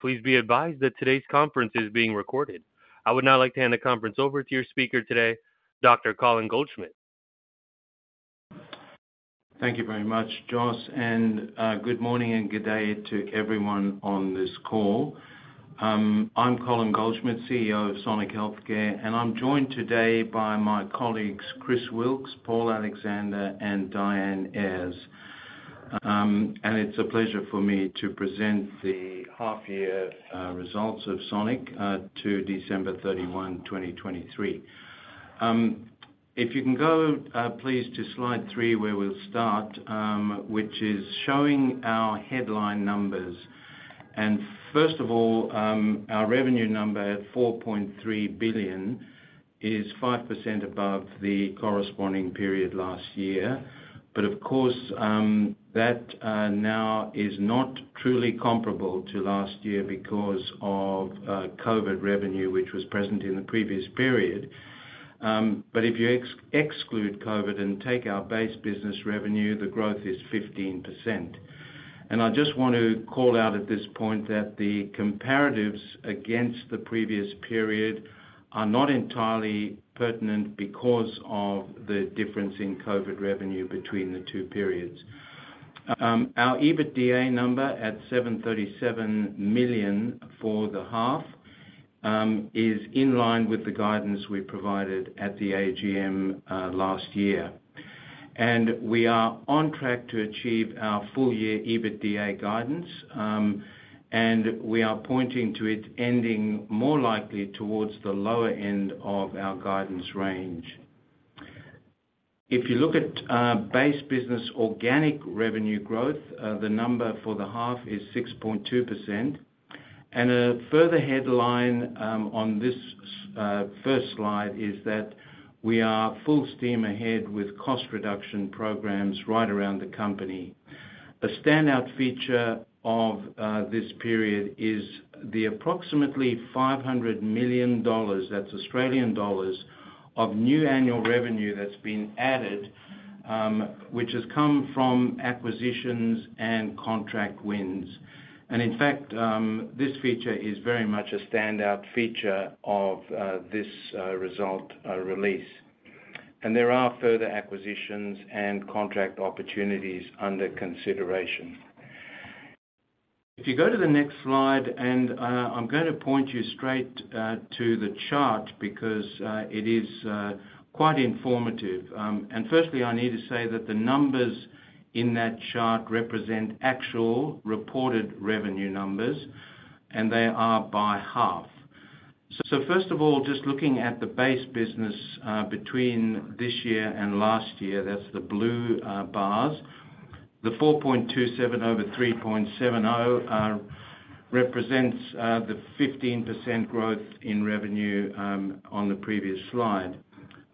Please be advised that today's conference is being recorded. I would now like to hand the conference over to your speaker today, Dr. Colin Goldschmidt. Thank you very much, Josh, and good morning and good day to everyone on this call. I'm Colin Goldschmidt, CEO of Sonic Healthcare, and I'm joined today by my colleagues Chris Wilks, Paul Alexander, and Dianne Ayers. It's a pleasure for me to present the half-year results of Sonic to December 31, 2023. If you can go, please, to slide three where we'll start, which is showing our headline numbers. And first of all, our revenue number at 4.3 billion is 5% above the corresponding period last year. But of course, that now is not truly comparable to last year because of COVID revenue, which was present in the previous period. But if you exclude COVID and take our base business revenue, the growth is 15%. And I just wanna call out at this point that the comparatives against the previous period are not entirely pertinent because of the difference in COVID revenue between the two periods. Our EBITDA number at 737 million for the half is in line with the guidance we provided at the AGM last year. And we are on track to achieve our full-year EBITDA guidance, and we are pointing to it ending more likely towards the lower end of our guidance range. If you look at base business organic revenue growth, the number for the half is 6.2%. And a further headline on this first slide is that we are full steam ahead with cost reduction programs right around the company. A standout feature of this period is the approximately 500 million dollars—that's Australian dollars—of new annual revenue that's been added, which has come from acquisitions and contract wins. In fact, this feature is very much a standout feature of this results release. There are further acquisitions and contract opportunities under consideration. If you go to the next slide, and I'm gonna point you straight to the chart because it is quite informative. And first, I need to say that the numbers in that chart represent actual reported revenue numbers, and they are by half. So first of all, just looking at the base business, between this year and last year, that's the blue bars, the 4.27 over 3.70 represents the 15% growth in revenue on the previous slide.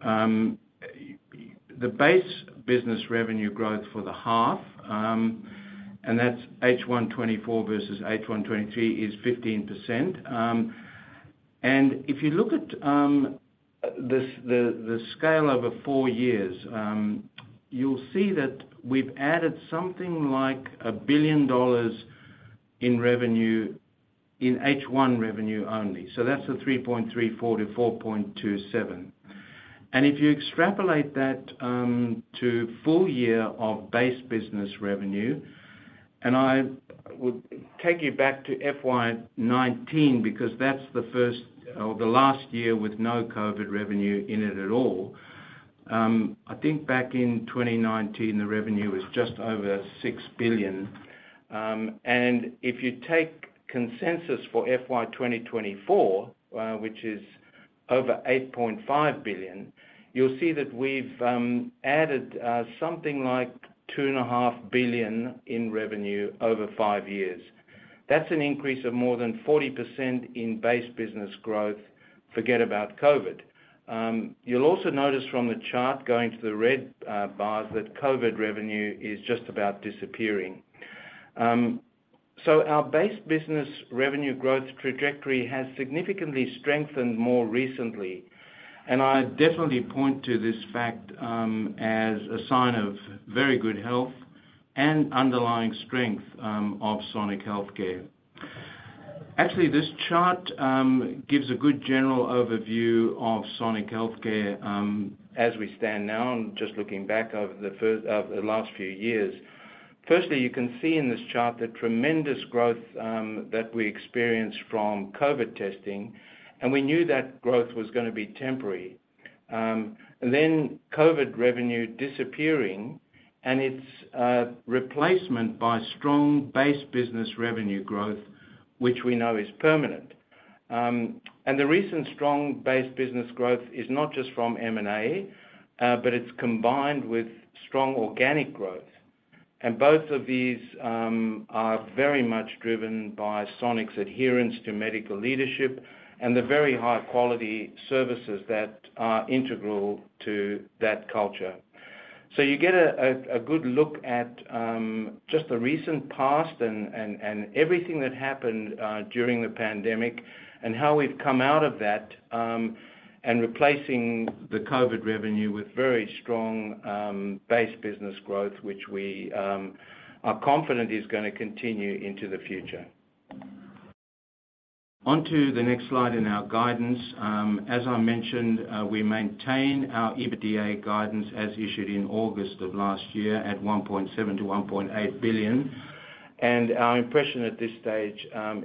The base business revenue growth for the half, and that's H1 2024 versus H1 2023, is 15%. And if you look at the scale over four years, you'll see that we've added something like 1 billion dollars in revenue in H1 revenue only. So that's the 3.34-4.27. If you extrapolate that to full-year base business revenue, and I would take you back to FY 2019 because that's the first or the last year with no COVID revenue in it at all, I think back in 2019, the revenue was just over 6 billion. If you take consensus for FY 2024, which is over 8.5 billion, you'll see that we've added something like 2.5 billion in revenue over five years. That's an increase of more than 40% in base business growth. Forget about COVID. You'll also notice from the chart going to the red bars that COVID revenue is just about disappearing. Our base business revenue growth trajectory has significantly strengthened more recently. I definitely point to this fact as a sign of very good health and underlying strength of Sonic Healthcare. Actually, this chart gives a good general overview of Sonic Healthcare, as we stand now, just looking back over the first of the last few years. Firstly, you can see in this chart the tremendous growth that we experienced from COVID testing. We knew that growth was gonna be temporary. Then COVID revenue disappearing, and its replacement by strong base business revenue growth, which we know is permanent. The recent strong base business growth is not just from M&A, but it's combined with strong organic growth. Both of these are very much driven by Sonic's adherence to medical leadership and the very high-quality services that are integral to that culture. So you get a good look at just the recent past and everything that happened during the pandemic and how we've come out of that, and replacing the COVID revenue with very strong base business growth, which we are confident is gonna continue into the future. Onto the next slide in our guidance. As I mentioned, we maintain our EBITDA guidance as issued in August of last year at 1.7 billion-1.8 billion. And our impression at this stage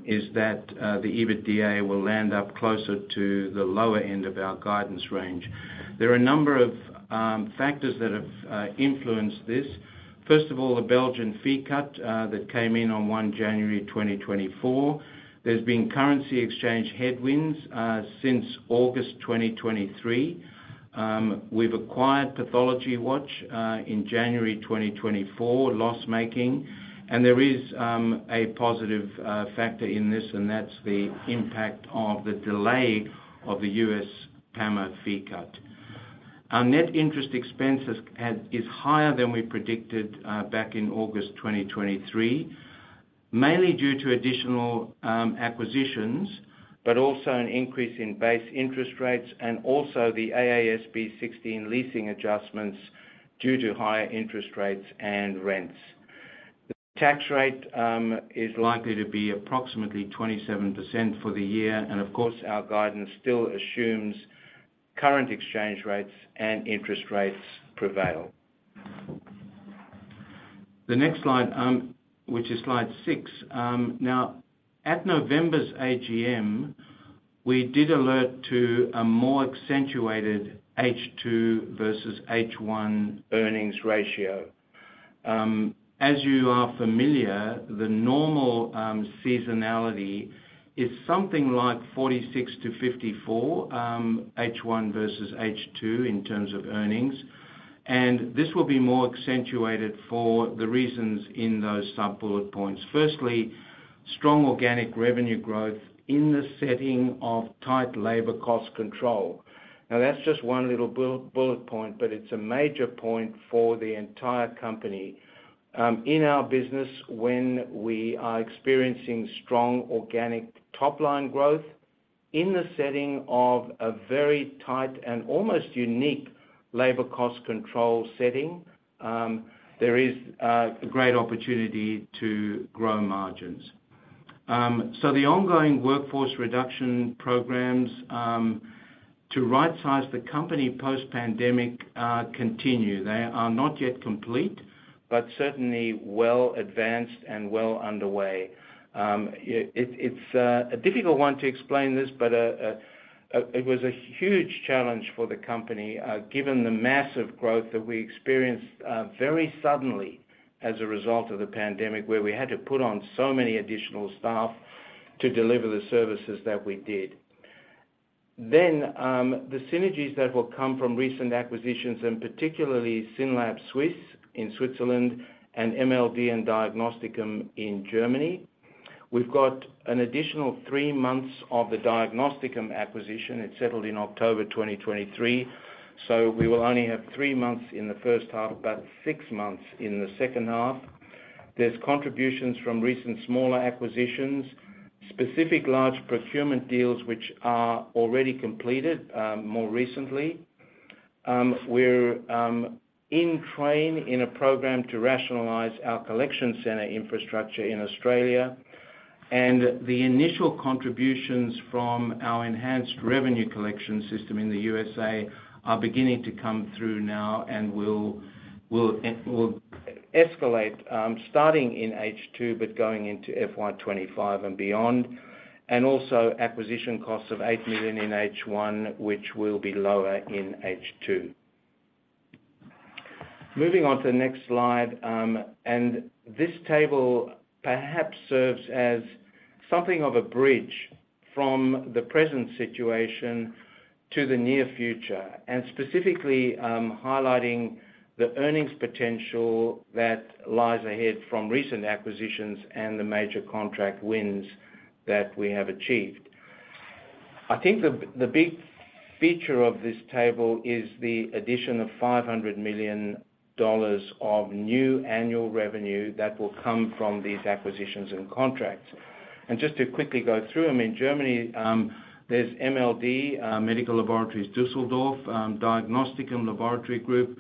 is that the EBITDA will land up closer to the lower end of our guidance range. There are a number of factors that have influenced this. First of all, the Belgian fee cut that came in on 1 January, 2024. There's been currency exchange headwinds since August 2023. We've acquired PathologyWatch in January 2024, loss-making. There is a positive factor in this, and that's the impact of the delay of the U.S. PAMA fee cut. Our net interest expense is higher than we predicted back in August 2023, mainly due to additional acquisitions but also an increase in base interest rates and also the AASB 16 leasing adjustments due to higher interest rates and rents. The tax rate is likely to be approximately 27% for the year. Of course, our guidance still assumes current exchange rates and interest rates prevail. The next slide, which is slide six. Now, at November's AGM, we did alert to a more accentuated H2 versus H1 earnings ratio. As you are familiar, the normal seasonality is something like 46%-54%, H1 versus H2 in terms of earnings. This will be more accentuated for the reasons in those sub-bullet points. Firstly, strong organic revenue growth in the setting of tight labor cost control. Now, that's just one little bullet point, but it's a major point for the entire company. In our business, when we are experiencing strong organic top-line growth in the setting of a very tight and almost unique labor cost control setting, there is a great opportunity to grow margins. So the ongoing workforce reduction programs, to right-size the company post-pandemic, continue. They are not yet complete but certainly well advanced and well underway. It's a difficult one to explain this, but it was a huge challenge for the company, given the massive growth that we experienced, very suddenly as a result of the pandemic where we had to put on so many additional staff to deliver the services that we did. Then, the synergies that will come from recent acquisitions, and particularly SYNLAB Suisse in Switzerland and MLD and Diagnosticum in Germany. We've got an additional three months of the Diagnosticum acquisition. It settled in October 2023. So we will only have three months in the first half but six months in the second half. There's contributions from recent smaller acquisitions, specific large procurement deals which are already completed, more recently, we're in train in a program to rationalize our collection center infrastructure in Australia. And the initial contributions from our enhanced revenue collection system in the U.S.A are beginning to come through now and will escalate, starting in H2 but going into FY 2025 and beyond. And also acquisition costs of 8 million in H1, which will be lower in H2. Moving on to the next slide, and this table perhaps serves as something of a bridge from the present situation to the near future and specifically, highlighting the earnings potential that lies ahead from recent acquisitions and the major contract wins that we have achieved. I think the big feature of this table is the addition of 500 million dollars of new annual revenue that will come from these acquisitions and contracts. And just to quickly go through them, in Germany, there's MLD, Medical Laboratories Düsseldorf, Diagnosticum Laboratory Group,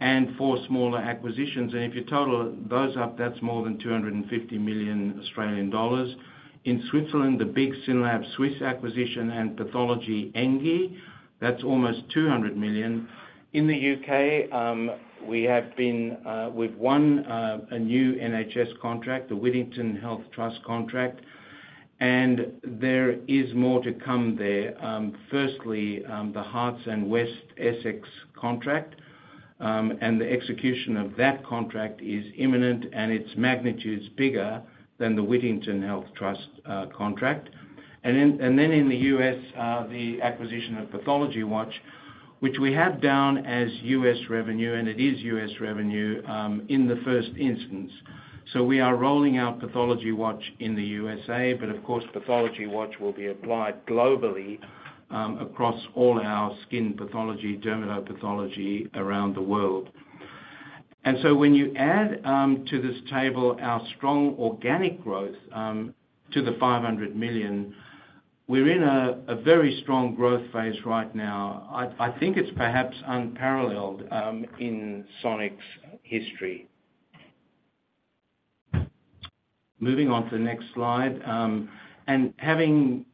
and four smaller acquisitions. And if you total those up, that's more than 250 million Australian dollars. In Switzerland, the big SYNLAB Suisse acquisition and Pathologie Enge, that's almost 200 million. In the U.K., we have one, a new NHS contract, the Whittington Health NHS Trust contract. And there is more to come there. Firstly, the Hertfordshire and West Essex contract. And the execution of that contract is imminent, and its magnitude's bigger than the Whittington Health NHS Trust contract. And then in the U.S., the acquisition of PathologyWatch, which we have down as U.S. revenue, and it is U.S. revenue, in the first instance. So we are rolling out PathologyWatch in the U.S.A. But of course, PathologyWatch will be applied globally, across all our skin pathology, dermatopathology around the world. And so when you add to this table our strong organic growth to the 500 million, we're in a very strong growth phase right now. I think it's perhaps unparalleled in Sonic's history. Moving on to the next slide. Having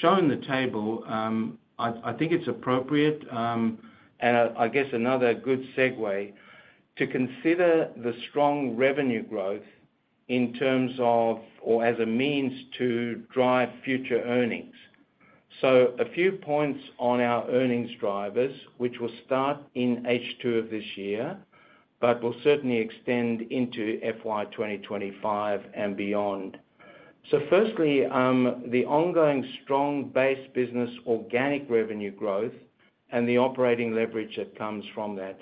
shown the table, I think it's appropriate, and I guess another good segue, to consider the strong revenue growth in terms of or as a means to drive future earnings. A few points on our earnings drivers, which will start in H2 of this year but will certainly extend into FY 2025 and beyond. Firstly, the ongoing strong base business organic revenue growth and the operating leverage that comes from that,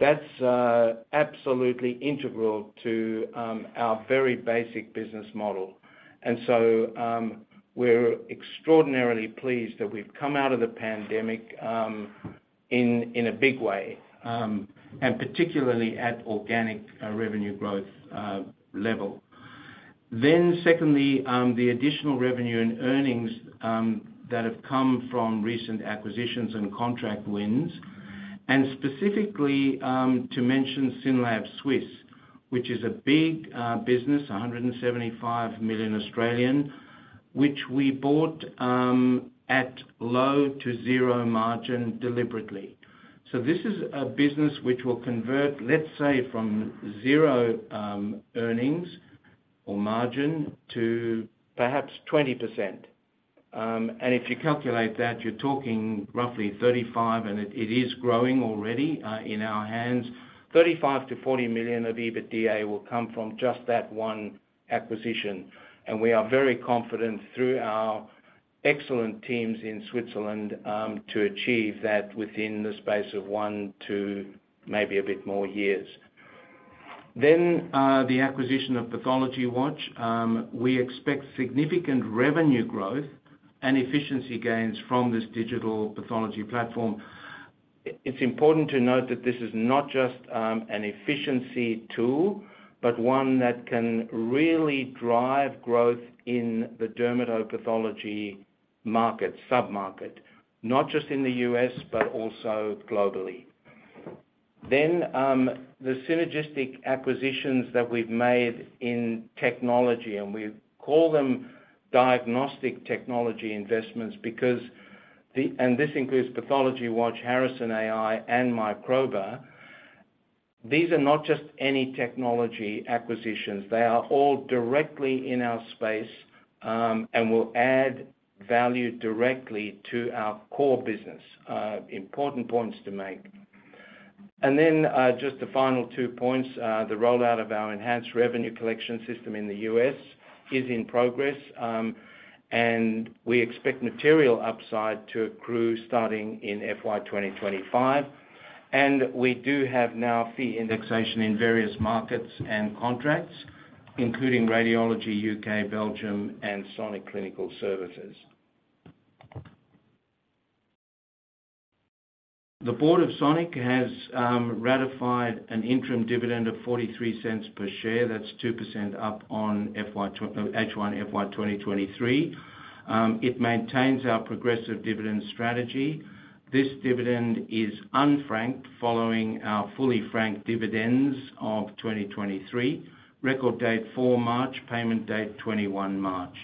that's absolutely integral to our very basic business model. And so, we're extraordinarily pleased that we've come out of the pandemic in a big way, and particularly at organic revenue growth level. Then secondly, the additional revenue and earnings that have come from recent acquisitions and contract wins. And specifically, to mention SYNLAB Suisse, which is a big business, 175 million, which we bought at low to zero margin deliberately. So this is a business which will convert, let's say, from zero earnings or margin to perhaps 20%. And if you calculate that, you're talking roughly 35 million, and it is growing already in our hands. 35 million-40 million of EBITDA will come from just that one acquisition. And we are very confident through our excellent teams in Switzerland to achieve that within the space of one to maybe a bit more years. Then, the acquisition of PathologyWatch, we expect significant revenue growth and efficiency gains from this digital pathology platform. It's important to note that this is not just an efficiency tool but one that can really drive growth in the dermatopathology market sub-market, not just in the U.S. but also globally. Then, the synergistic acquisitions that we've made in technology, and we call them diagnostic technology investments because the and this includes PathologyWatch, Harrison.ai, and Microba. These are not just any technology acquisitions. They are all directly in our space, and will add value directly to our core business. Important points to make. And then, just the final two points, the rollout of our enhanced revenue collection system in the U.S. is in progress, and we expect material upside to accrue starting in FY 2025. And we do have now fee indexation in various markets and contracts, including Radiology U.K., Belgium, and Sonic Clinical Services. The board of Sonic has ratified an interim dividend of 0.43 per share. That's 2% up on H1 FY 2023. It maintains our progressive dividend strategy. This dividend is unfranked following our fully-franked dividends of 2023, record date 4 March, payment date 21 March.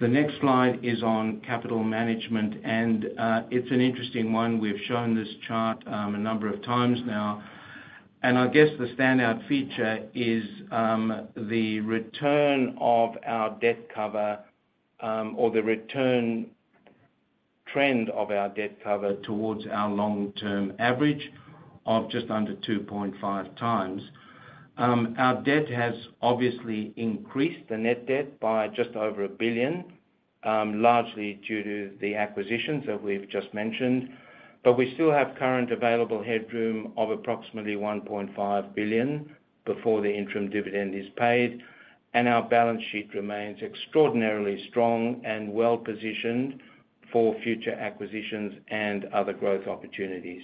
The next slide is on capital management. It's an interesting one. We've shown this chart, a number of times now. I guess the standout feature is, the return of our debt cover, or the return trend of our debt cover towards our long-term average of just under 2.5x. Our debt has obviously increased, the net debt, by just over 1 billion, largely due to the acquisitions that we've just mentioned. But we still have current available headroom of approximately 1.5 billion before the interim dividend is paid. Our balance sheet remains extraordinarily strong and well-positioned for future acquisitions and other growth opportunities.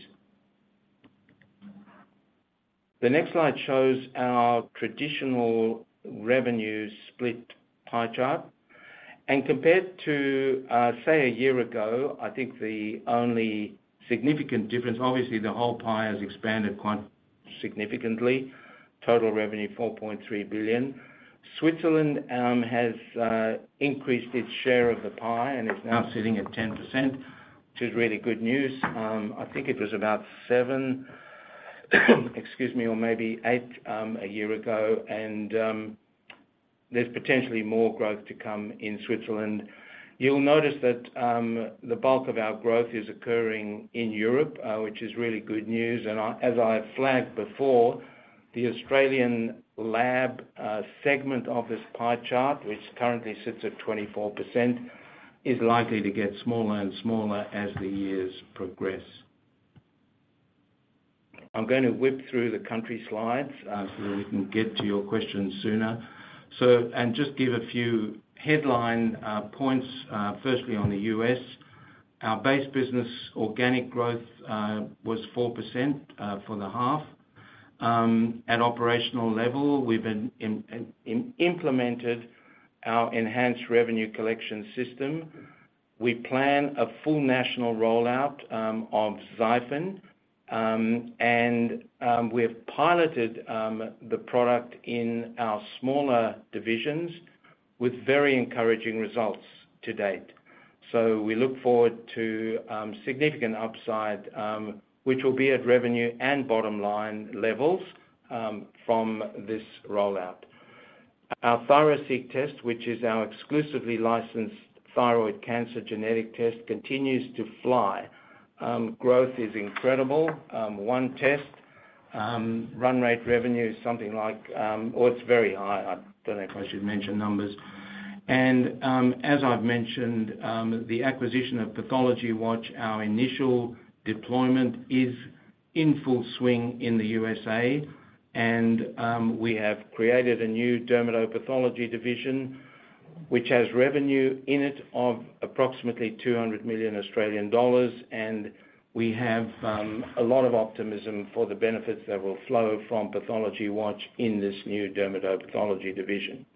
The next slide shows our traditional revenue split pie chart. Compared to, say, a year ago, I think the only significant difference obviously, the whole pie has expanded quite significantly, total revenue 4.3 billion. Switzerland has increased its share of the pie and is now sitting at 10%, which is really good news. I think it was about seven, excuse me, or maybe eight, a year ago. And there's potentially more growth to come in Switzerland. You'll notice that the bulk of our growth is occurring in Europe, which is really good news. And as I have flagged before, the Australian lab segment of this pie chart, which currently sits at 24%, is likely to get smaller and smaller as the years progress. I'm going to whip through the country slides, so that we can get to your questions sooner. So and just give a few headline points. Firstly, on the U.S., our base business organic growth was 4% for the half. At operational level, we've implemented our enhanced revenue collection system. We plan a full national rollout of XiFin. And we have piloted the product in our smaller divisions with very encouraging results to date. So we look forward to significant upside, which will be at revenue and bottom line levels, from this rollout. Our ThyroSeq test, which is our exclusively licensed thyroid cancer genetic test, continues to fly. Growth is incredible. One test run rate revenue is something like, or it's very high. I don't know if I should mention numbers. And as I've mentioned, the acquisition of PathologyWatch, our initial deployment is in full swing in the U.S.A. And we have created a new dermatopathology division which has revenue in it of approximately 200 million Australian dollars. And we have a lot of optimism for the benefits that will flow from PathologyWatch in this new dermatopathology division.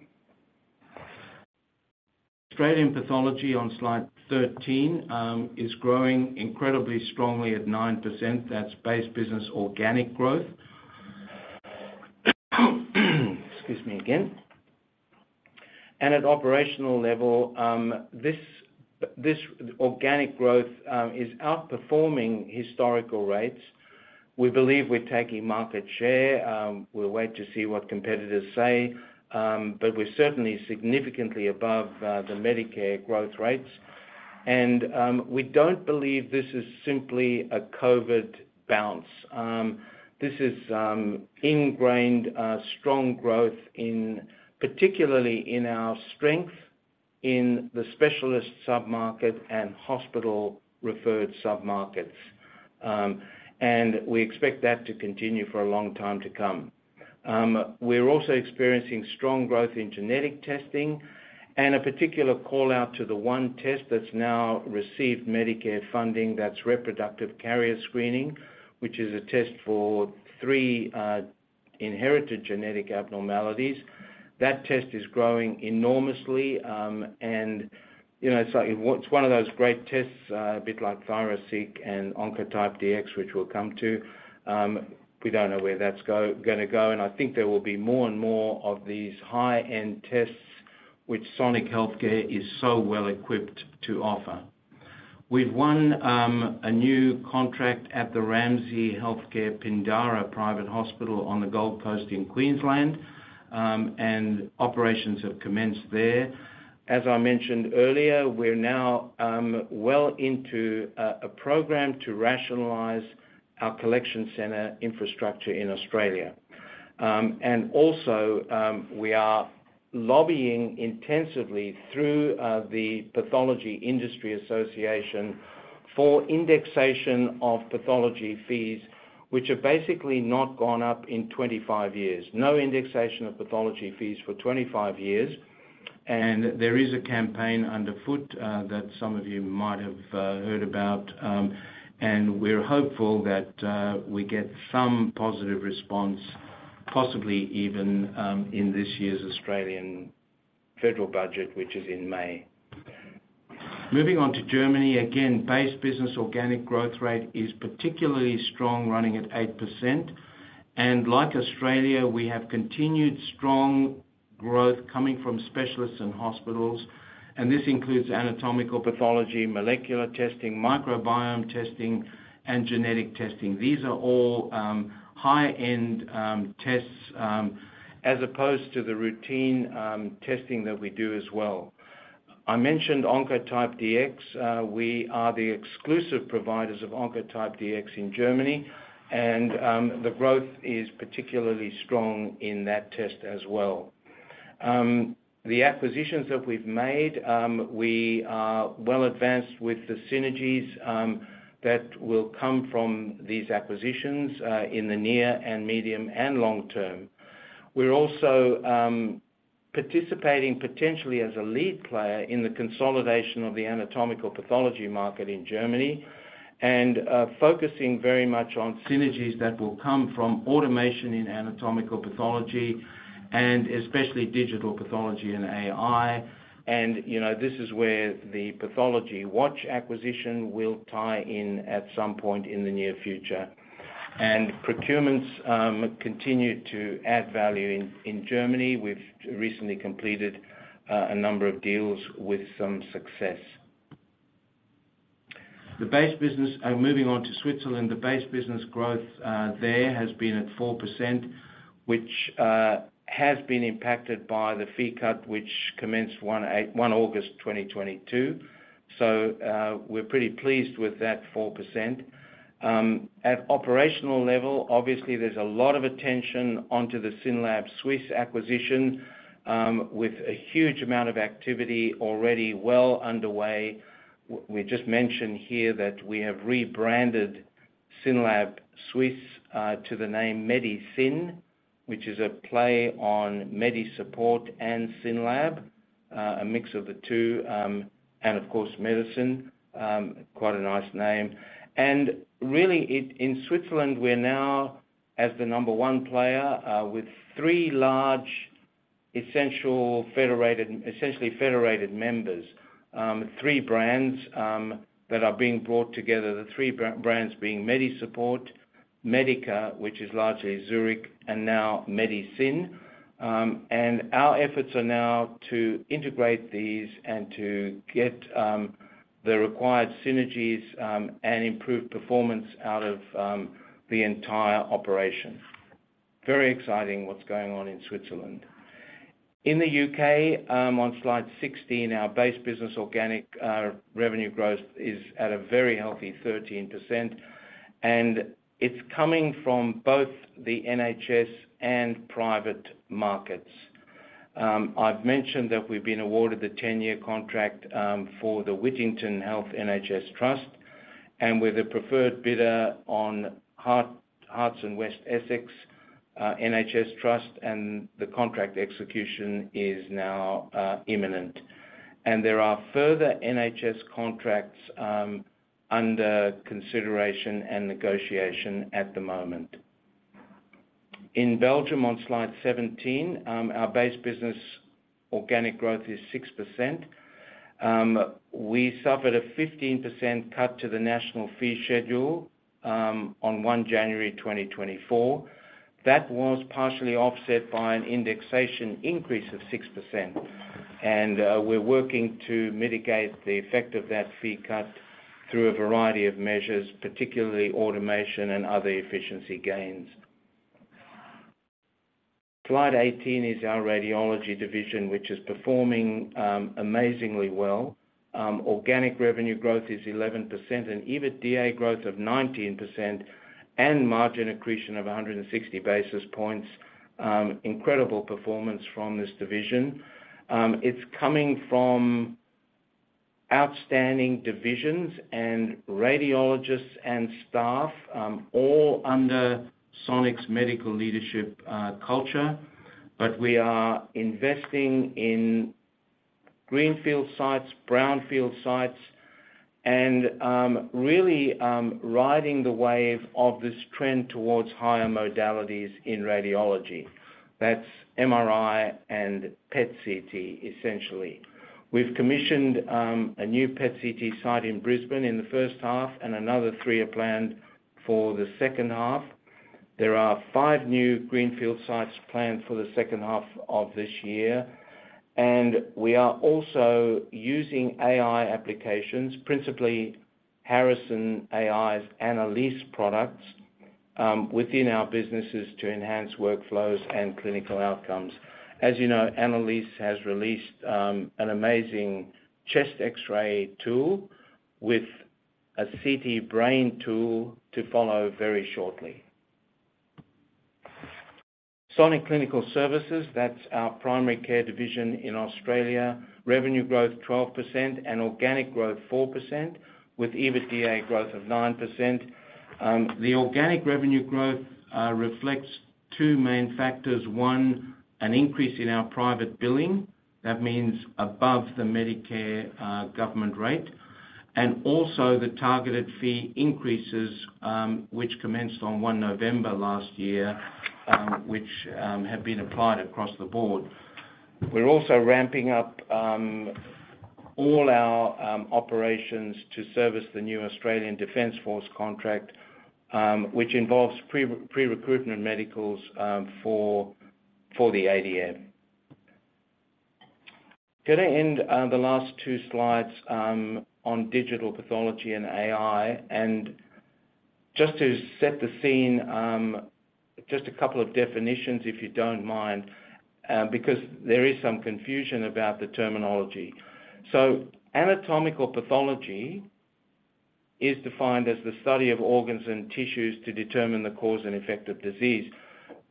Australian pathology on slide 13 is growing incredibly strongly at 9%. That's base business organic growth. Excuse me again. At operational level, this organic growth is outperforming historical rates. We believe we're taking market share. We'll wait to see what competitors say. But we're certainly significantly above the Medicare growth rates. We don't believe this is simply a COVID bounce. This is ingrained strong growth, particularly in our strength in the specialist sub-market and hospital-referred sub-markets. And we expect that to continue for a long time to come. We're also experiencing strong growth in genetic testing. A particular callout to the one test that's now received Medicare funding, that's reproductive carrier screening, which is a test for three inherited genetic abnormalities. That test is growing enormously. And, you know, it's like it's one of those great tests, a bit like ThyroSeq and Oncotype DX, which we'll come to. We don't know where that's gonna go. I think there will be more and more of these high-end tests which Sonic Healthcare is so well-equipped to offer. We've won a new contract at the Ramsay Health Care Pindara Private Hospital on the Gold Coast in Queensland. Operations have commenced there. As I mentioned earlier, we're now well into a program to rationalize our collection center infrastructure in Australia. Also, we are lobbying intensively through the Pathology Industry Association for indexation of pathology fees, which have basically not gone up in 25 years, no indexation of pathology fees for 25 years. There is a campaign afoot that some of you might have heard about. We're hopeful that we get some positive response, possibly even in this year's Australian federal budget, which is in May. Moving on to Germany. Again, base business organic growth rate is particularly strong, running at 8%. And like Australia, we have continued strong growth coming from specialists and hospitals. This includes anatomical pathology, molecular testing, microbiome testing, and genetic testing. These are all high-end tests, as opposed to the routine testing that we do as well. I mentioned Oncotype DX. We are the exclusive providers of Oncotype DX in Germany. The growth is particularly strong in that test as well. The acquisitions that we've made, we are well-advanced with the synergies that will come from these acquisitions, in the near and medium and long term. We're also participating potentially as a lead player in the consolidation of the anatomical pathology market in Germany, focusing very much on synergies that will come from automation in anatomical pathology and especially digital pathology and AI. You know, this is where the PathologyWatch acquisition will tie in at some point in the near future. Procurements continue to add value in Germany. We've recently completed a number of deals with some success. The base business moving on to Switzerland, the base business growth there has been at 4%, which has been impacted by the fee cut, which commenced 1 August, 2022. So, we're pretty pleased with that 4%. At operational level, obviously, there's a lot of attention onto the SYNLAB Suisse acquisition, with a huge amount of activity already well underway. We just mentioned here that we have rebranded SYNLAB Suisse to the name Medisyn, which is a play on MediSupport and SYNLAB, a mix of the two, and, of course, medicine. Quite a nice name. Really, in Switzerland, we're now the number one player, with three large, essentially federated members, three brands that are being brought together, the three brands being MediSupport, Medica, which is largely Zurich, and now Medisyn. Our efforts are now to integrate these and to get the required synergies and improve performance out of the entire operation. Very exciting what's going on in Switzerland. In the U.K., on slide 16, our base business organic revenue growth is at a very healthy 13%. It's coming from both the NHS and private markets. I've mentioned that we've been awarded the 10-year contract for the Whittington Health NHS Trust. We're the preferred bidder on Hertfordshire and West Essex NHS Trust. The contract execution is now imminent. There are further NHS contracts under consideration and negotiation at the moment. In Belgium, on slide 17, our base business organic growth is 6%. We suffered a 15% cut to the national fee schedule, on 1 January, 2024. That was partially offset by an indexation increase of 6%. We're working to mitigate the effect of that fee cut through a variety of measures, particularly automation and other efficiency gains. Slide 18 is our radiology division, which is performing, amazingly well. Organic revenue growth is 11% and EBITDA growth of 19% and margin accretion of 160 basis points. Incredible performance from this division. It's coming from outstanding divisions and radiologists and staff, all under Sonic's medical leadership, culture. But we are investing in Greenfield sites, Brownfield sites, and, really, riding the wave of this trend towards higher modalities in radiology. That's MRI and PET/CT, essentially. We've commissioned a new PET/CT site in Brisbane in the first half and another three are planned for the second half. There are five new Greenfield sites planned for the second half of this year. We are also using AI applications, principally Harrison.ai's Annalise products, within our businesses to enhance workflows and clinical outcomes. As you know, Annalise has released an amazing chest X-ray tool with a CT brain tool to follow very shortly. Sonic Clinical Services, that's our primary care division in Australia, revenue growth 12% and organic growth 4% with EBITDA growth of 9%. The organic revenue growth reflects two main factors, one, an increase in our private billing. That means above the Medicare government rate. Also the targeted fee increases, which commenced on 1 November last year, which have been applied across the board. We're also ramping up all our operations to service the new Australian Defence Force contract, which involves pre-recruitment medicals for the ADF. Going to end the last two slides on digital pathology and AI. Just to set the scene, just a couple of definitions, if you don't mind, because there is some confusion about the terminology. So anatomical pathology is defined as the study of organs and tissues to determine the cause and effect of disease.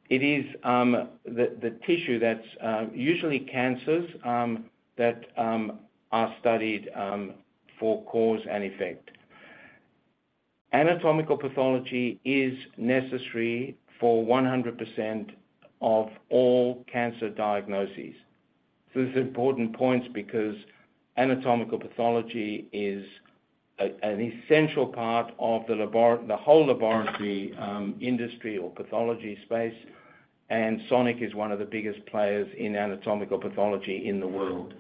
It is the tissue that's usually cancers that are studied for cause and effect. Anatomical pathology is necessary for 100% of all cancer diagnoses. So these are important points because anatomical pathology is an essential part of the laboratory, the whole laboratory industry or pathology space. And Sonic is one of the biggest players in anatomical pathology in the world.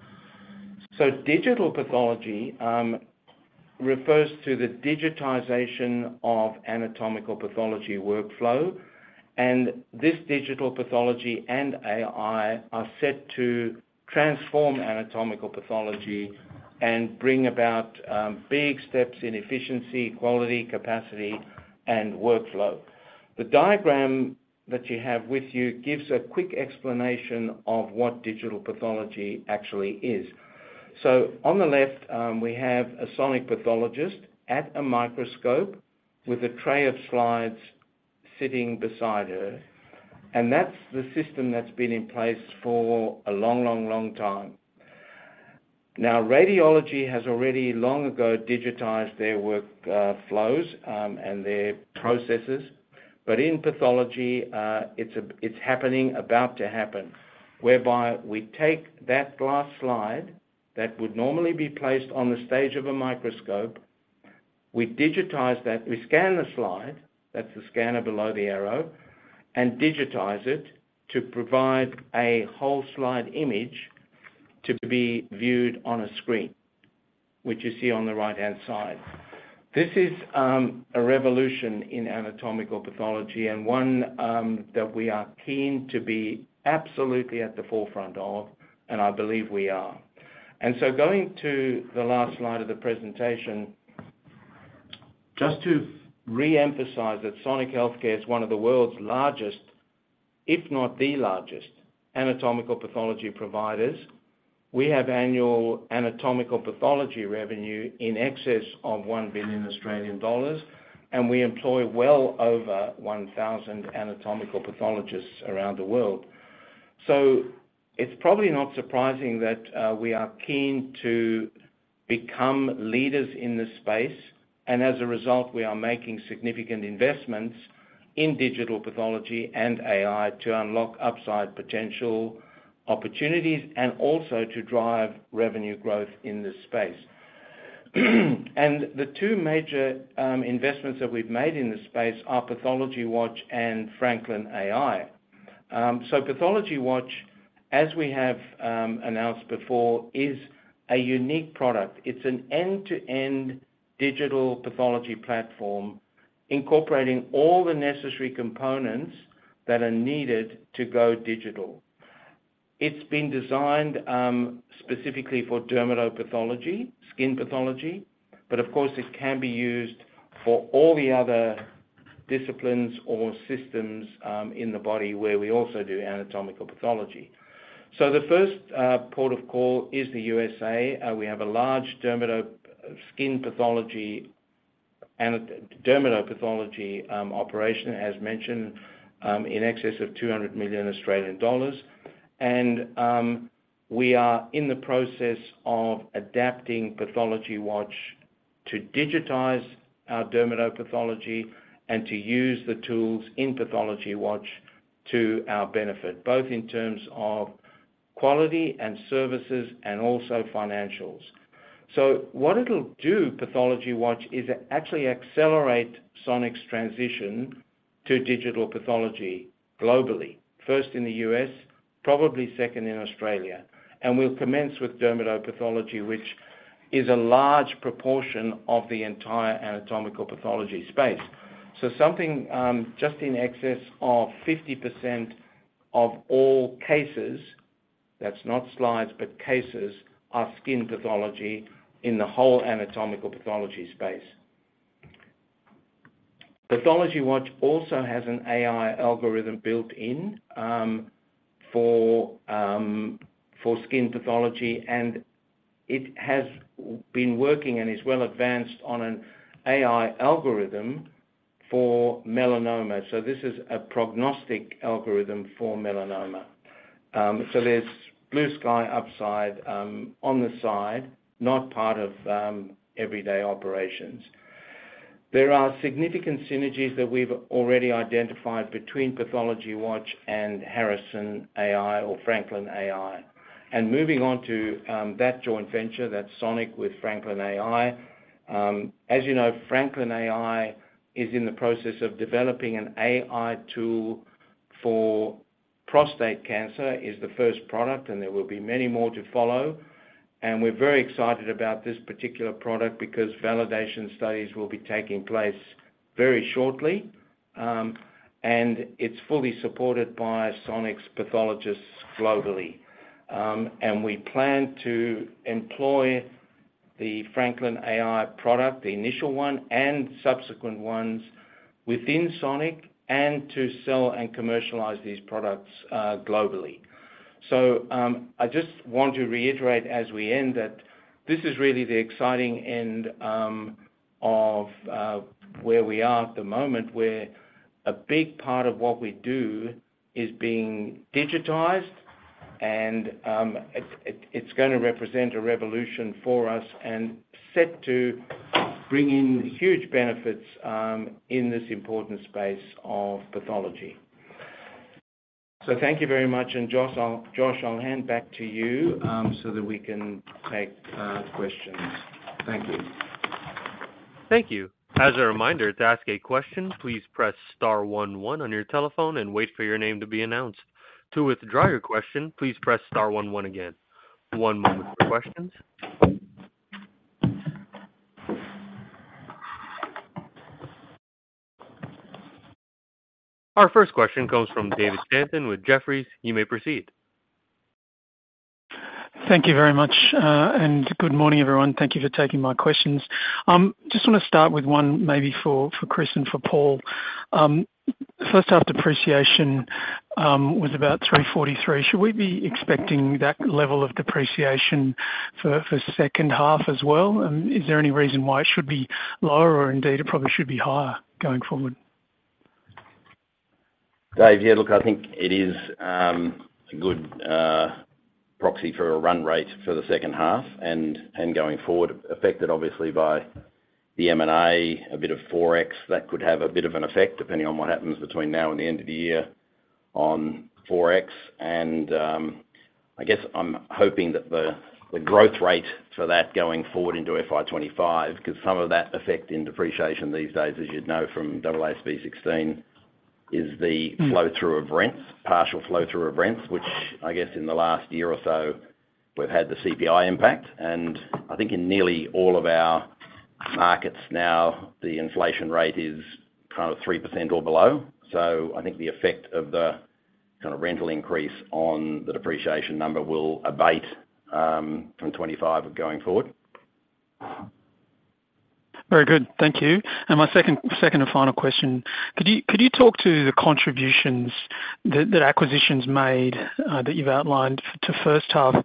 Digital pathology refers to the digitization of anatomical pathology workflow. This digital pathology and AI are set to transform anatomical pathology and bring about big steps in efficiency, quality, capacity, and workflow. The diagram that you have with you gives a quick explanation of what digital pathology actually is. On the left, we have a Sonic pathologist at a microscope with a tray of slides sitting beside her. That's the system that's been in place for a long, long, long time. Now, radiology has already long ago digitized their workflows and their processes. But in pathology, it's happening, about to happen, whereby we take that glass slide that would normally be placed on the stage of a microscope, we digitize that we scan the slide, that's the scanner below the arrow, and digitize it to provide a whole slide image to be viewed on a screen, which you see on the right-hand side. This is a revolution in anatomical pathology and one that we are keen to be absolutely at the forefront of. I believe we are. So going to the last slide of the presentation, just to reemphasize that Sonic Healthcare is one of the world's largest, if not the largest, anatomical pathology providers, we have annual anatomical pathology revenue in excess of 1 billion Australian dollars. And we employ well over 1,000 anatomical pathologists around the world. So it's probably not surprising that we are keen to become leaders in this space. And as a result, we are making significant investments in digital pathology and AI to unlock upside potential opportunities and also to drive revenue growth in this space. And the two major investments that we've made in this space are PathologyWatch and Franklin.ai. So PathologyWatch, as we have announced before, is a unique product. It's an end-to-end digital pathology platform incorporating all the necessary components that are needed to go digital. It's been designed specifically for dermatopathology, skin pathology. But of course, it can be used for all the other disciplines or systems in the body where we also do anatomical pathology. So the first port of call is the U.S.A. We have a large dermatopathology operation, as mentioned, in excess of 200 million Australian dollars. We are in the process of adapting PathologyWatch to digitize our dermatopathology and to use the tools in PathologyWatch to our benefit, both in terms of quality and services and also financials. So what it'll do, PathologyWatch, is actually accelerate Sonic's transition to digital pathology globally, first in the U.S., probably second in Australia. And we'll commence with dermatopathology, which is a large proportion of the entire anatomical pathology space. So something, just in excess of 50% of all cases that's not slides, but cases are skin pathology in the whole anatomical pathology space. PathologyWatch also has an AI algorithm built in, for, for skin pathology. And it has been working and is well-advanced on an AI algorithm for melanoma. So this is a prognostic algorithm for melanoma. So there's blue sky upside, on the side, not part of, everyday operations. There are significant synergies that we've already identified between PathologyWatch and Harrison.ai or Franklin.ai. And moving on to that joint venture, that's Sonic with Franklin.ai. As you know, Franklin.ai is in the process of developing an AI tool for prostate cancer, is the first product. And there will be many more to follow. And we're very excited about this particular product because validation studies will be taking place very shortly. And it's fully supported by Sonic's pathologists globally. And we plan to employ the Franklin.ai product, the initial one and subsequent ones, within Sonic and to sell and commercialize these products globally. So, I just want to reiterate as we end that this is really the exciting end of where we are at the moment, where a big part of what we do is being digitized. It is going to represent a revolution for us and set to bring in huge benefits, in this important space of pathology. So thank you very much. Josh, I'll hand back to you, so that we can take questions. Thank you. Thank you. As a reminder, to ask a question, please press star one one on your telephone and wait for your name to be announced. To withdraw your question, please press star one one again. One moment for questions. Our first question comes from David Stanton with Jefferies. You may proceed. Thank you very much. And good morning, everyone. Thank you for taking my questions. Just want to start with one, maybe, for Chris and for Paul. First half depreciation was about 343. Should we be expecting that level of depreciation for second half as well? Is there any reason why it should be lower or indeed it probably should be higher going forward? Dave, yeah. Look, I think it is a good proxy for a run rate for the second half and going forward, affected, obviously, by the M&A, a bit of forex. That could have a bit of an effect, depending on what happens between now and the end of the year, on forex. And I guess I'm hoping that the growth rate for that going forward into FY 2025 because some of that effect in depreciation these days, as you'd know from AASB 16, is the flow-through of rents, partial flow-through of rents, which, I guess, in the last year or so, we've had the CPI impact. And I think in nearly all of our markets now, the inflation rate is kind of 3% or below. So I think the effect of the kind of rental increase on the depreciation number will abate from 2025 going forward. Very good. Thank you. And my second and final question, could you talk to the contributions that acquisitions made that you've outlined to first half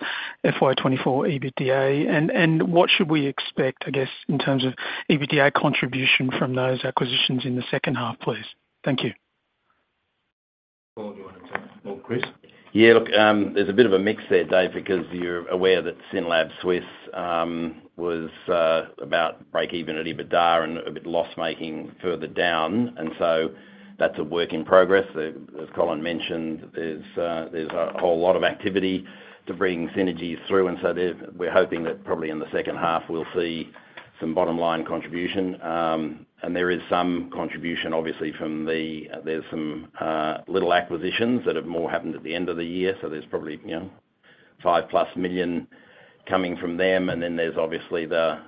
FY 2024 EBITDA? And what should we expect, I guess, in terms of EBITDA contribution from those acquisitions in the second half, please? Thank you. Paul, do you want to take well, Chris? Yeah. Look, there's a bit of a mix there, Dave, because you're aware that SYNLAB Suisse was about break-even at EBITDA and a bit loss-making further down. And so that's a work in progress. As Colin mentioned, there's a whole lot of activity to bring synergies through. And so we're hoping that probably in the second half, we'll see some bottom-line contribution. There is some contribution, obviously, from the some little acquisitions that have happened at the end of the year. So there's probably, you know, 5+ million coming from them. And then there's, obviously, the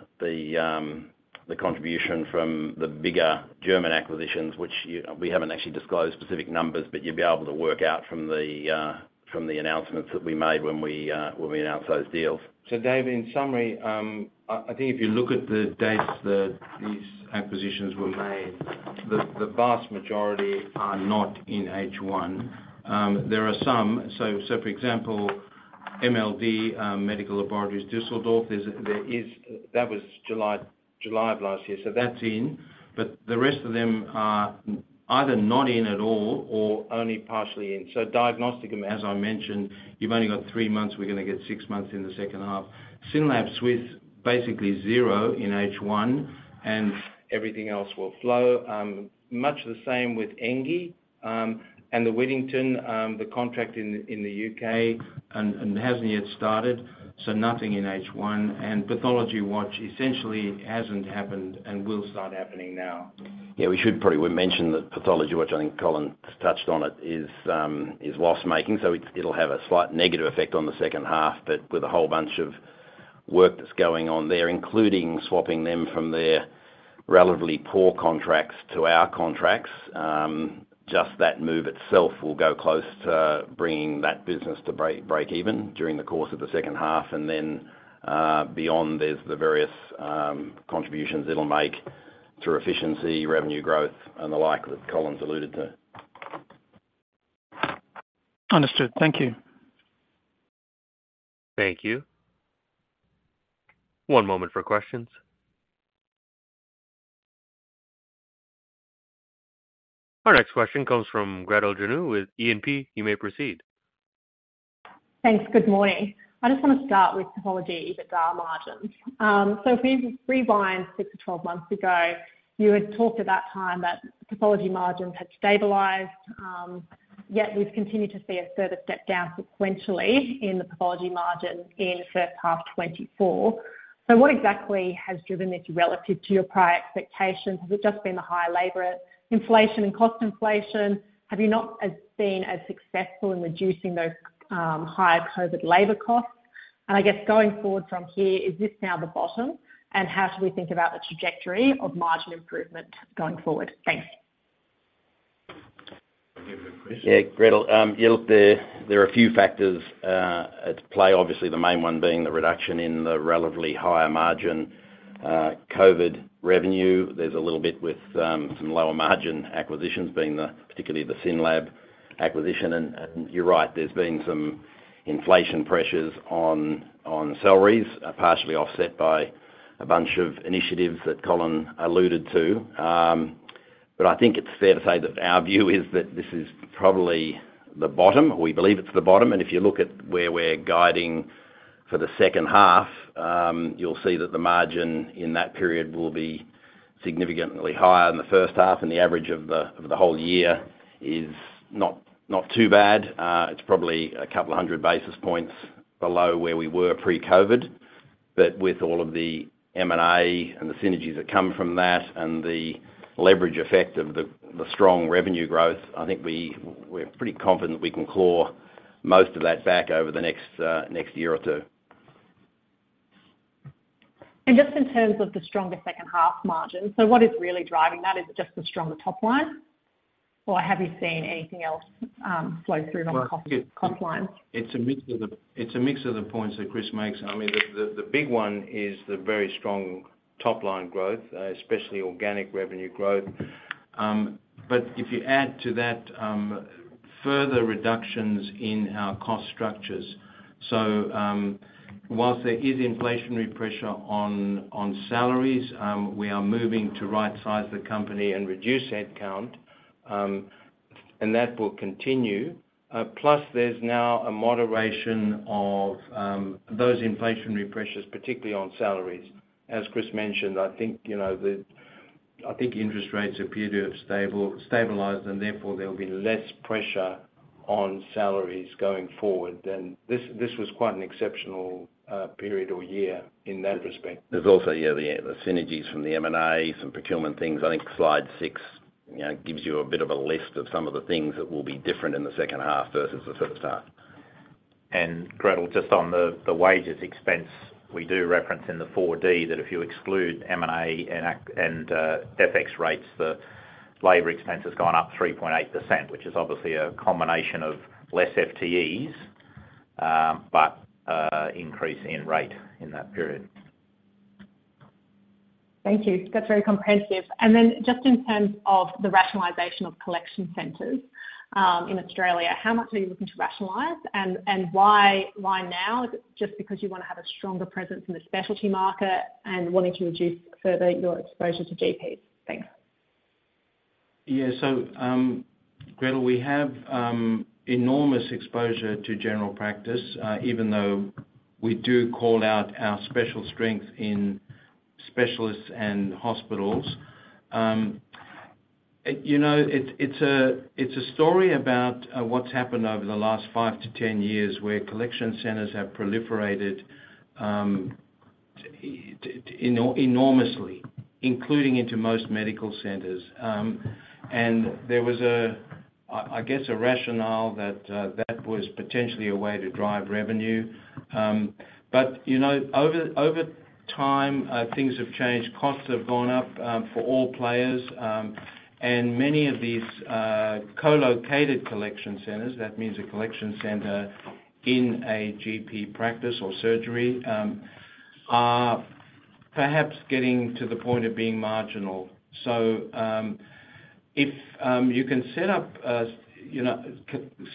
contribution from the bigger German acquisitions, which we haven't actually disclosed specific numbers, but you'll be able to work out from the announcements that we made when we announced those deals. So, Dave, in summary, I think if you look at the dates that these acquisitions were made, the vast majority are not in H1. There are some, so for example, MLD, Medical Laboratories Düsseldorf, there is that was July of last year. So that's in. But the rest of them are either not in at all or only partially in. So Diagnosticum, as I mentioned, you've only got three months. We're going to get six months in the second half. SYNLAB Suisse, basically zero in H1. And everything else will flow much the same with Enge. And the Whittington, the contract in, in the U.K. and hasn't yet started. So nothing in H1. And PathologyWatch, essentially, hasn't happened and will start happening now. Yeah. We should probably we mentioned that PathologyWatch, I think Colin touched on it, is loss-making. So it's, it'll have a slight negative effect on the second half. But with a whole bunch of work that's going on there, including swapping them from their relatively poor contracts to our contracts, just that move itself will go close to bringing that business to break-even during the course of the second half. And then, beyond, there's the various contributions it'll make through efficiency, revenue growth, and the like that Colin's alluded to. Understood. Thank you. Thank you. One moment for questions. Our next question comes from Gretel Janu with E&P. You may proceed. Thanks. Good morning. I just want to start with Pathology EBITDA margins. So if we rewind six-12 months ago, you had talked at that time that Pathology margins had stabilized. Yet we've continued to see a further step down sequentially in the Pathology margin in first half 2024. So what exactly has driven this relative to your prior expectations? Has it just been the high labor inflation and cost inflation? Have you not been as successful in reducing those higher COVID labor costs? And I guess going forward from here, is this now the bottom? And how should we think about the trajectory of margin improvement going forward? Thanks. Thank you for the question. Yeah. Gretel, yeah. Look, there are a few factors at play, obviously, the main one being the reduction in the relatively higher margin COVID revenue. There's a little bit with some lower margin acquisitions, being particularly the SYNLAB acquisition. And you're right. There's been some inflation pressures on salaries, partially offset by a bunch of initiatives that Colin alluded to. But I think it's fair to say that our view is that this is probably the bottom. We believe it's the bottom. And if you look at where we're guiding for the second half, you'll see that the margin in that period will be significantly higher than the first half. And the average of the whole year is not too bad. It's probably a couple of hundred basis points below where we were pre-COVID. But with all of the M&A and the synergies that come from that and the leverage effect of the strong revenue growth, I think we're pretty confident that we can claw most of that back over the next year or two. And just in terms of the stronger second half margins, so what is really driving that? Is it just the stronger topline? Or have you seen anything else flow through on the cost lines? Well, it's a mix of the points that Chris makes. I mean, the big one is the very strong topline growth, especially organic revenue growth. But if you add to that, further reductions in our cost structures so, while there is inflationary pressure on salaries, we are moving to right-size the company and reduce headcount. And that will continue. Plus, there's now a moderation of those inflationary pressures, particularly on salaries. As Chris mentioned, I think, you know, the interest rates appear to have stabilized. And therefore, there'll be less pressure on salaries going forward. And this was quite an exceptional period or year in that respect. There's also yeah, the synergies from the M&A, some procurement things. I think slide six, you know, gives you a bit of a list of some of the things that will be different in the second half versus the first half. And Gretel, just on the wages expense, we do reference in the 4D that if you exclude M&A and FX rates, the labor expense has gone up 3.8%, which is obviously a combination of less FTEs, but increase in rate in that period. Thank you. That's very comprehensive. And then just in terms of the rationalization of collection centers, in Australia, how much are you looking to rationalize? And why now? Is it just because you want to have a stronger presence in the specialty market and wanting to reduce further your exposure to GPs? Thanks. Yeah. So, Gretel, we have enormous exposure to general practice, even though we do call out our special strength in specialists and hospitals. You know, it's a story about what's happened over the last five-10 years where collection centers have proliferated enormously, including into most medical centers. And there was, I guess, a rationale that was potentially a way to drive revenue. But you know, over time, things have changed. Costs have gone up, for all players. And many of these colocated collection centers - that means a collection center in a GP practice or surgery - are perhaps getting to the point of being marginal. So, if you can set up a, you know,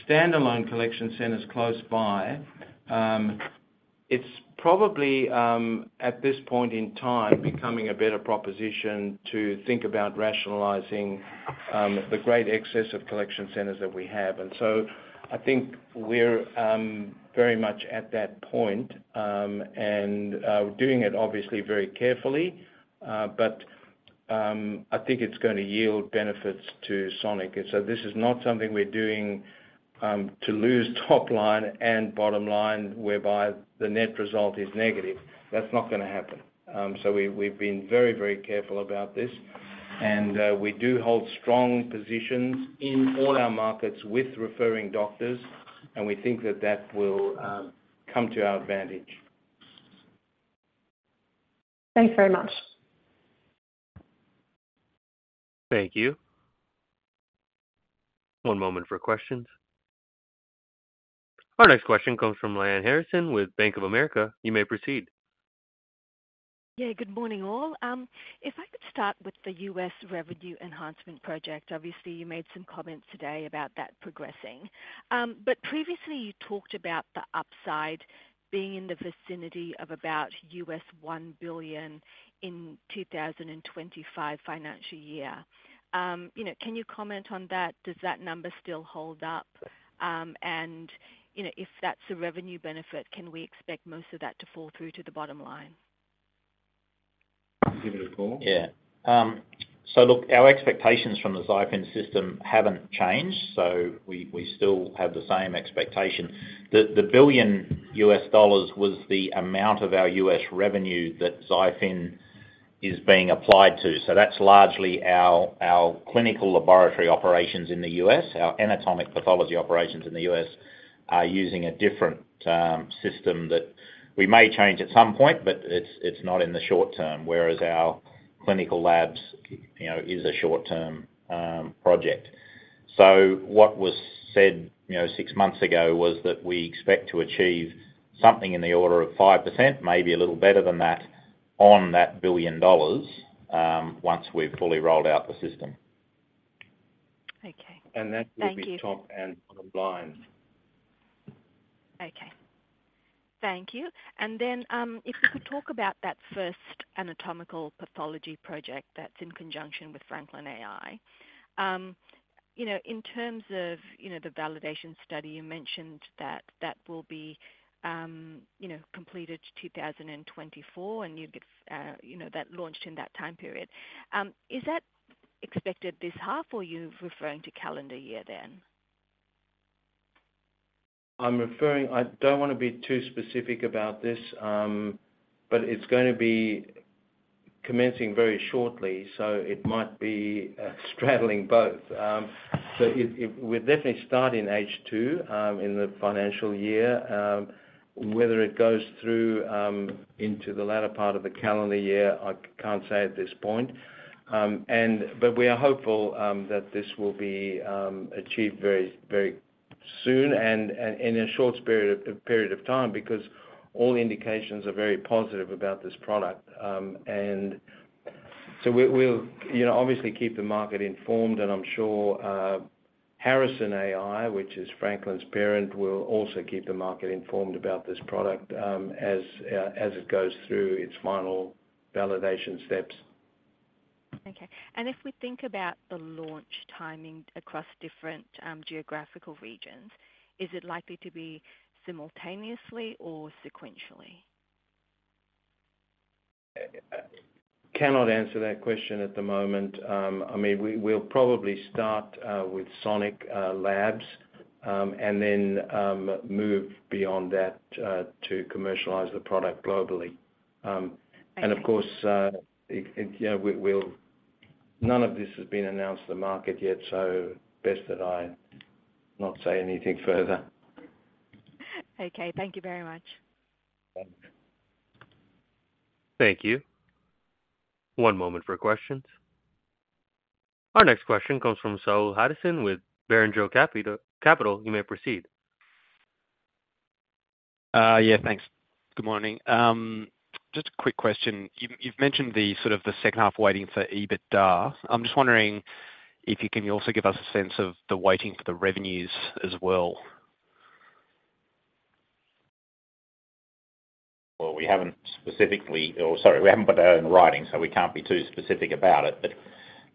standalone collection centers close by, it's probably, at this point in time, becoming a better proposition to think about rationalizing the great excess of collection centers that we have. And so I think we're very much at that point and doing it, obviously, very carefully. But I think it's going to yield benefits to Sonic. And so this is not something we're doing to lose topline and bottom line whereby the net result is negative. That's not going to happen. So we've been very, very careful about this. And we do hold strong positions in all our markets with referring doctors. And we think that that will come to our advantage. Thanks very much. Thank you. One moment for questions. Our next question comes from Lyanne Harrison with Bank of America. You may proceed. Yeah. Good morning, all. If I could start with the U.S. Revenue Enhancement Project, obviously you made some comments today about that progressing. But previously you talked about the upside being in the vicinity of about $1 billion in 2025 financial year. You know, can you comment on that? Does that number still hold up? You know, if that's a revenue benefit, can we expect most of that to fall through to the bottom line? Give it to Paul. Yeah. So look, our expectations from the XiFin system haven't changed. So we still have the same expectation. The $1 billion was the amount of our U.S. revenue that XiFin is being applied to. So that's largely our clinical laboratory operations in the U.S. Our anatomic pathology operations in the U.S. are using a different system that we may change at some point, but it's not in the short term, whereas our clinical labs, you know, is a short-term project. So what was said, you know, six months ago was that we expect to achieve something in the order of 5%, maybe a little better than that, on that $1 billion, once we've fully rolled out the system. Okay. Thank you. And that will be top and bottom line. Okay. Thank you. And then, if you could talk about that first anatomical pathology project that's in conjunction with Franklin.ai. You know, in terms of, you know, the validation study, you mentioned that that will be, you know, completed 2024. And you'd get, you know, that launched in that time period. Is that expected this half, or you're referring to calendar year then? I'm referring. I don't want to be too specific about this, but it's going to be commencing very shortly. So it might be straddling both. So it, it we're definitely starting H2 in the financial year. Whether it goes through into the latter part of the calendar year, I can't say at this point. But we are hopeful that this will be achieved very, very soon and in a short space of time because all indications are very positive about this product. So we'll, you know, obviously keep the market informed. And I'm sure Harrison.ai, which is Franklin.ai's parent, will also keep the market informed about this product, as it goes through its final validation steps. Okay. And if we think about the launch timing across different geographical regions, is it likely to be simultaneously or sequentially? Cannot answer that question at the moment. I mean, we'll probably start with Sonic labs and then move beyond that to commercialize the product globally. And of course, you know, well, none of this has been announced to the market yet. So best that I not say anything further. Okay. Thank you very much. Thanks. Thank you. One moment for questions. Our next question comes from Saul Hadassin with Barrenjoey Capital. You may proceed. Yeah. Thanks. Good morning. Just a quick question. You've, you've mentioned the sort of the second half weighting for EBITDA. I'm just wondering if you can also give us a sense of the weighting for the revenues as well. Well, we haven't specifically, oh, sorry. We haven't put that in writing, so we can't be too specific about it. But,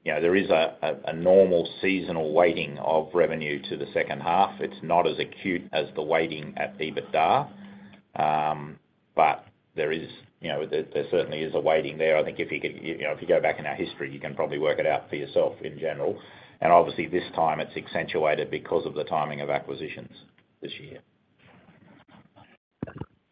you know, there is a, a, a normal seasonal weighting of revenue to the second half. It's not as acute as the weighting at EBITDA. But there is, you know, there, there certainly is a weighting there. I think if you could, you know, if you go back in our history, you can probably work it out for yourself in general. Obviously, this time, it's accentuated because of the timing of acquisitions this year.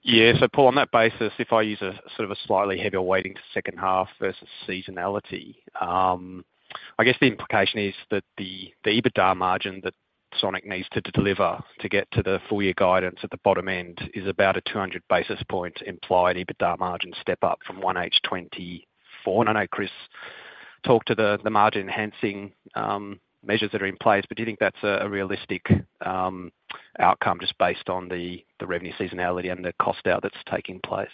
Yeah. So Paul, on that basis, if I use a sort of a slightly heavier weighting to second half versus seasonality, I guess the implication is that the EBITDA margin that Sonic needs to deliver to get to the full-year guidance at the bottom end is about a 200 basis point implied EBITDA margin step up from 1H 2024. I know Chris talked to the margin-enhancing measures that are in place. But do you think that's a realistic outcome just based on the revenue seasonality and the cost out that's taking place?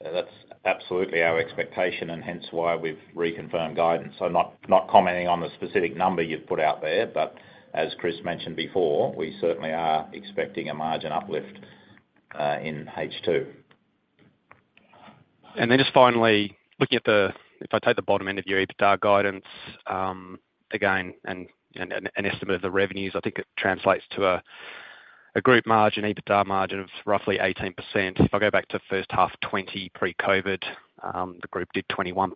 That's absolutely our expectation. Hence why we've reconfirmed guidance. Not commenting on the specific number you've put out there. But as Chris mentioned before, we certainly are expecting a margin uplift in H2. Then just finally, looking at the, if I take the bottom end of your EBITDA guidance, again, and an estimate of the revenues, I think it translates to a group margin, EBITDA margin of roughly 18%. If I go back to first half 2020 pre-COVID, the group did 21%.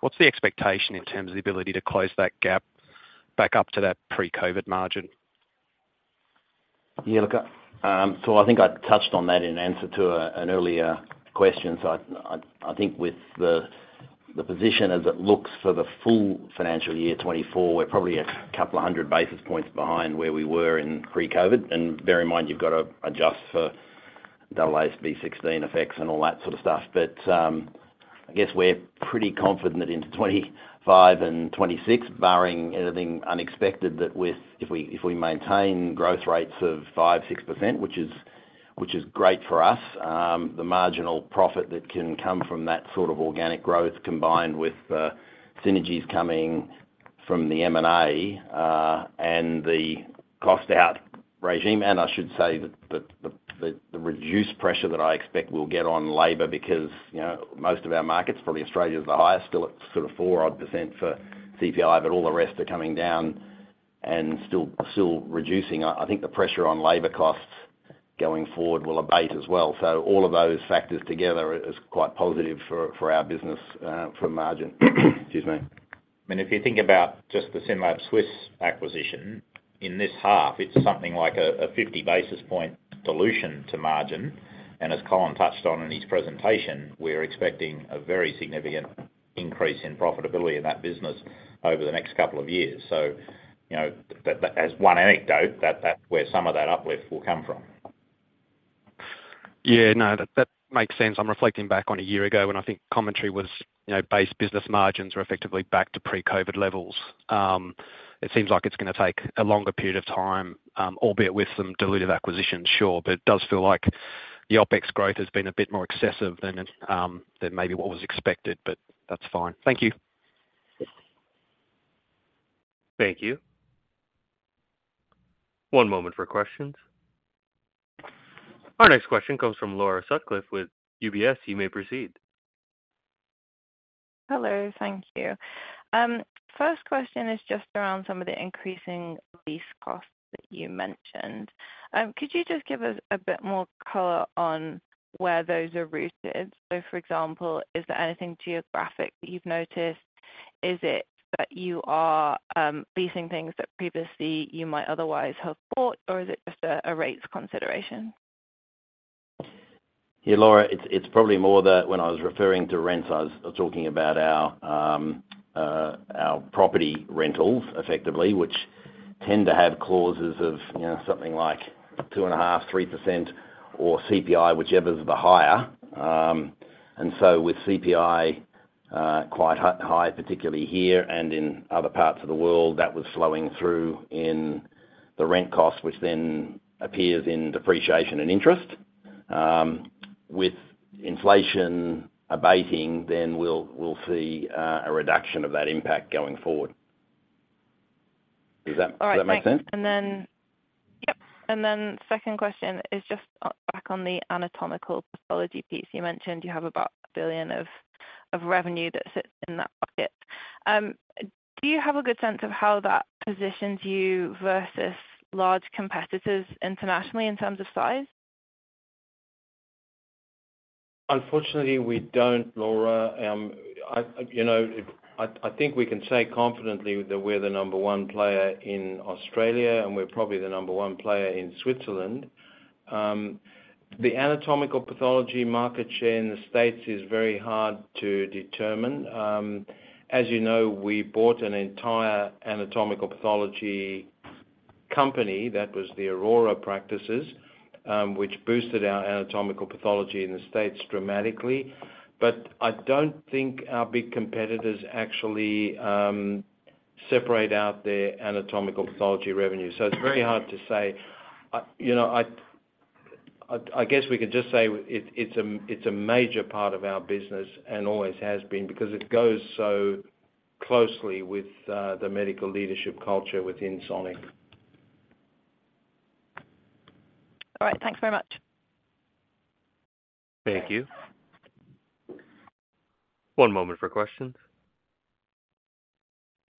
What's the expectation in terms of the ability to close that gap back up to that pre-COVID margin? Yeah. Look, so I think I touched on that in answer to an earlier question. So I think with the position as it looks for the full financial year 2024, we're probably a couple of hundred basis points behind where we were in pre-COVID. And bear in mind, you've got to adjust for AASB 16 effects and all that sort of stuff. But I guess we're pretty confident that into 2025 and 2026, barring anything unexpected, that if we maintain growth rates of 5%-6%, which is great for us, the marginal profit that can come from that sort of organic growth combined with the synergies coming from the M&A, and the cost out regime, and I should say that the reduced pressure that I expect we'll get on labor because, you know, most of our markets probably Australia's the highest, still at sort of 4%-odd for CPI. But all the rest are coming down and still reducing. I think the pressure on labor costs going forward will abate as well. So all of those factors together is quite positive for our business, for margin. Excuse me. I mean, if you think about just the SYNLAB Suisse acquisition, in this half, it's something like a 50 basis point dilution to margin. And as Colin touched on in his presentation, we're expecting a very significant increase in profitability in that business over the next couple of years. So, you know, that as one anecdote, that's where some of that uplift will come from. Yeah. No. That makes sense. I'm reflecting back on a year ago when I think commentary was, you know, base business margins were effectively back to pre-COVID levels. It seems like it's going to take a longer period of time, albeit with some dilutive acquisitions, sure. But it does feel like the OpEx growth has been a bit more excessive than maybe what was expected. But that's fine. Thank you. Thank you. One moment for questions. Our next question comes from Laura Sutcliffe with UBS. You may proceed. Hello. Thank you. First question is just around some of the increasing lease costs that you mentioned. Could you just give us a bit more color on where those are rooted? So for example, is there anything geographic that you've noticed? Is it that you are leasing things that previously you might otherwise have bought? Or is it just a rates consideration? Yeah. Laura, it's probably more that when I was referring to rents, I was talking about our property rentals, effectively, which tend to have clauses of, you know, something like 2.5%, 3%, or CPI, whichever's the higher. And so with CPI quite high, particularly here and in other parts of the world, that was flowing through in the rent cost, which then appears in depreciation and interest. With inflation abating, then we'll see a reduction of that impact going forward. Does that make sense? All right. Thanks. And then yep. And then second question is just back on the anatomical pathology piece. You mentioned you have about 1 billion of revenue that sits in that bucket. Do you have a good sense of how that positions you versus large competitors internationally in terms of size? Unfortunately, we don't, Laura. You know, I think we can say confidently that we're the number one player in Australia. And we're probably the number one player in Switzerland. The anatomical pathology market share in the States is very hard to determine. As you know, we bought an entire anatomical pathology company. That was the Aurora practices, which boosted our anatomical pathology in the States dramatically. But I don't think our big competitors actually separate out their anatomical pathology revenue. So it's very hard to say. I, you know, I guess we could just say it's a major part of our business and always has been because it goes so closely with the medical leadership culture within Sonic. All right. Thanks very much. Thank you. One moment for questions.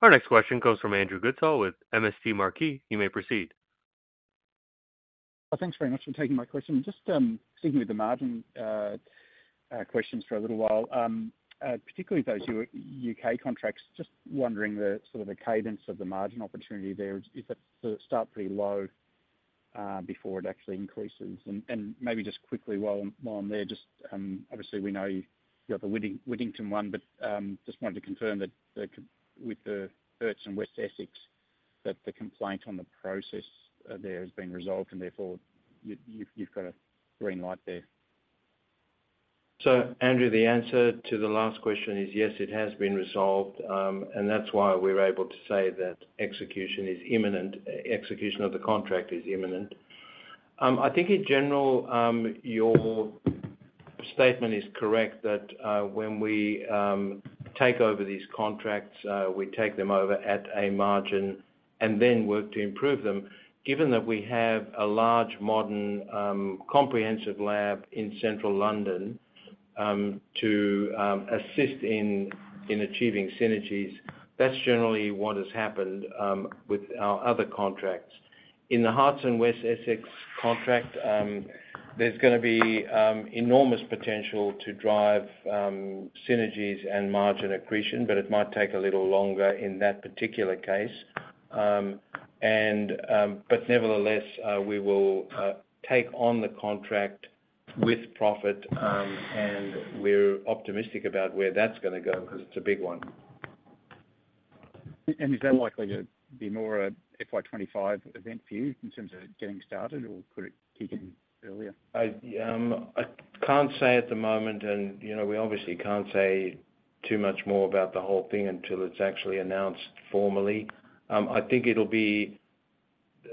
Our next question comes from Andrew Goodsall with MST Marquee. You may proceed. Well, thanks very much for taking my question. Just sticking with the margin questions for a little while, particularly those U.K. contracts, just wondering the sort of cadence of the margin opportunity there. Is it sort of start pretty low before it actually increases? And maybe just quickly, while I'm there, just obviously we know you've got the Whittington one. But just wanted to confirm that with the Hertfordshire and West Essex, that the complaint on the process there has been resolved. And therefore, you've got a green light there. So Andrew, the answer to the last question is, yes, it has been resolved. And that's why we're able to say that execution is imminent. Execution of the contract is imminent. I think in general, your statement is correct that, when we take over these contracts, we take them over at a margin and then work to improve them. Given that we have a large, modern, comprehensive lab in central London, to assist in achieving synergies, that's generally what has happened with our other contracts. In the Hertfordshire and West Essex contract, there's going to be enormous potential to drive synergies and margin accretion. But it might take a little longer in that particular case. But nevertheless, we will take on the contract with profit. We're optimistic about where that's going to go because it's a big one. Is that likely to be more a FY 2025 event for you in terms of getting started? Or could it kick in earlier? I can't say at the moment. You know, we obviously can't say too much more about the whole thing until it's actually announced formally. I think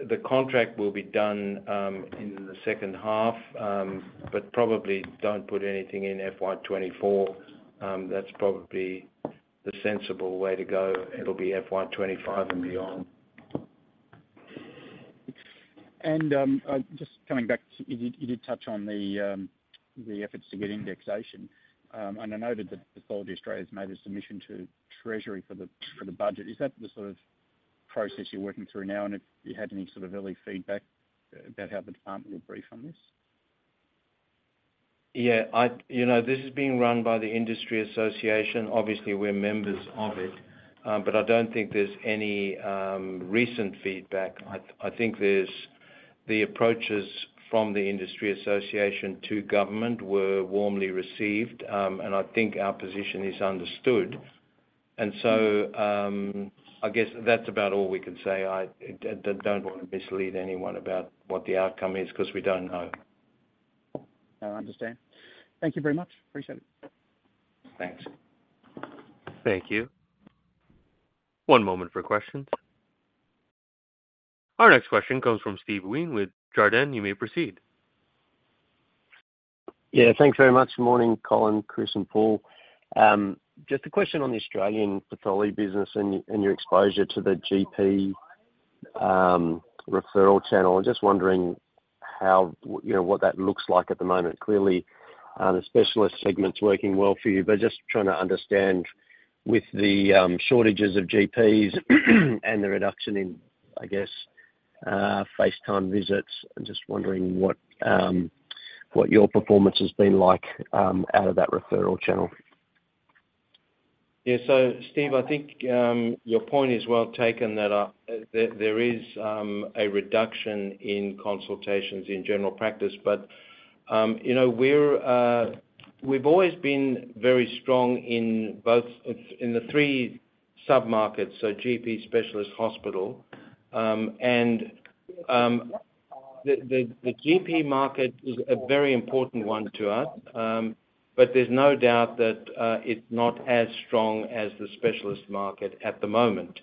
the contract will be done in the second half. Probably don't put anything in FY 2024. That's probably the sensible way to go. It'll be FY 2025 and beyond. Just coming back to you, did you touch on the efforts to get indexation? I noted that Pathology Australia has made a submission to Treasury for the budget. Is that the sort of process you're working through now? And if you had any sort of early feedback about how the department will brief on this? Yeah. I, you know, this is being run by the Industry Association. Obviously, we're members of it. But I don't think there's any recent feedback. I think there's the approaches from the Industry Association to government were warmly received. And I think our position is understood. And so, I guess that's about all we can say. I don't want to mislead anyone about what the outcome is because we don't know. No, I understand. Thank you very much. Appreciate it. Thanks. Thank you. One moment for questions. Our next question comes from Steve Wheen with Jarden. You may proceed. Yeah. Thanks very much. Good morning, Colin, Chris, and Paul. Just a question on the Australian pathology business and your exposure to the GP referral channel. I'm just wondering how, you know, what that looks like at the moment. Clearly, the specialist segment's working well for you. But just trying to understand with the shortages of GPs and the reduction in, I guess, face time visits, I'm just wondering what, what your performance has been like, out of that referral channel. Yeah. So Steve, I think your point is well taken, that there is a reduction in consultations in general practice. But, you know, we're, we've always been very strong in both in the three submarkets, so GP, specialist, hospital. And the GP market is a very important one to us. But there's no doubt that it's not as strong as the specialist market at the moment.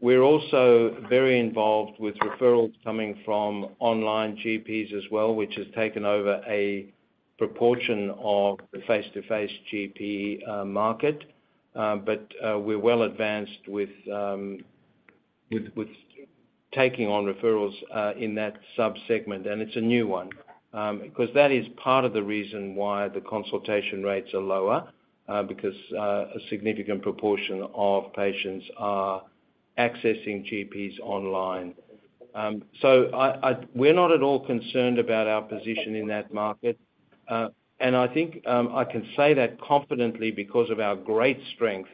We're also very involved with referrals coming from online GPs as well, which has taken over a proportion of the face-to-face GP market. But we're well advanced with taking on referrals in that subsegment. And it's a new one, because that is part of the reason why the consultation rates are lower, because a significant proportion of patients are accessing GPs online. So we're not at all concerned about our position in that market. And I think I can say that confidently because of our great strength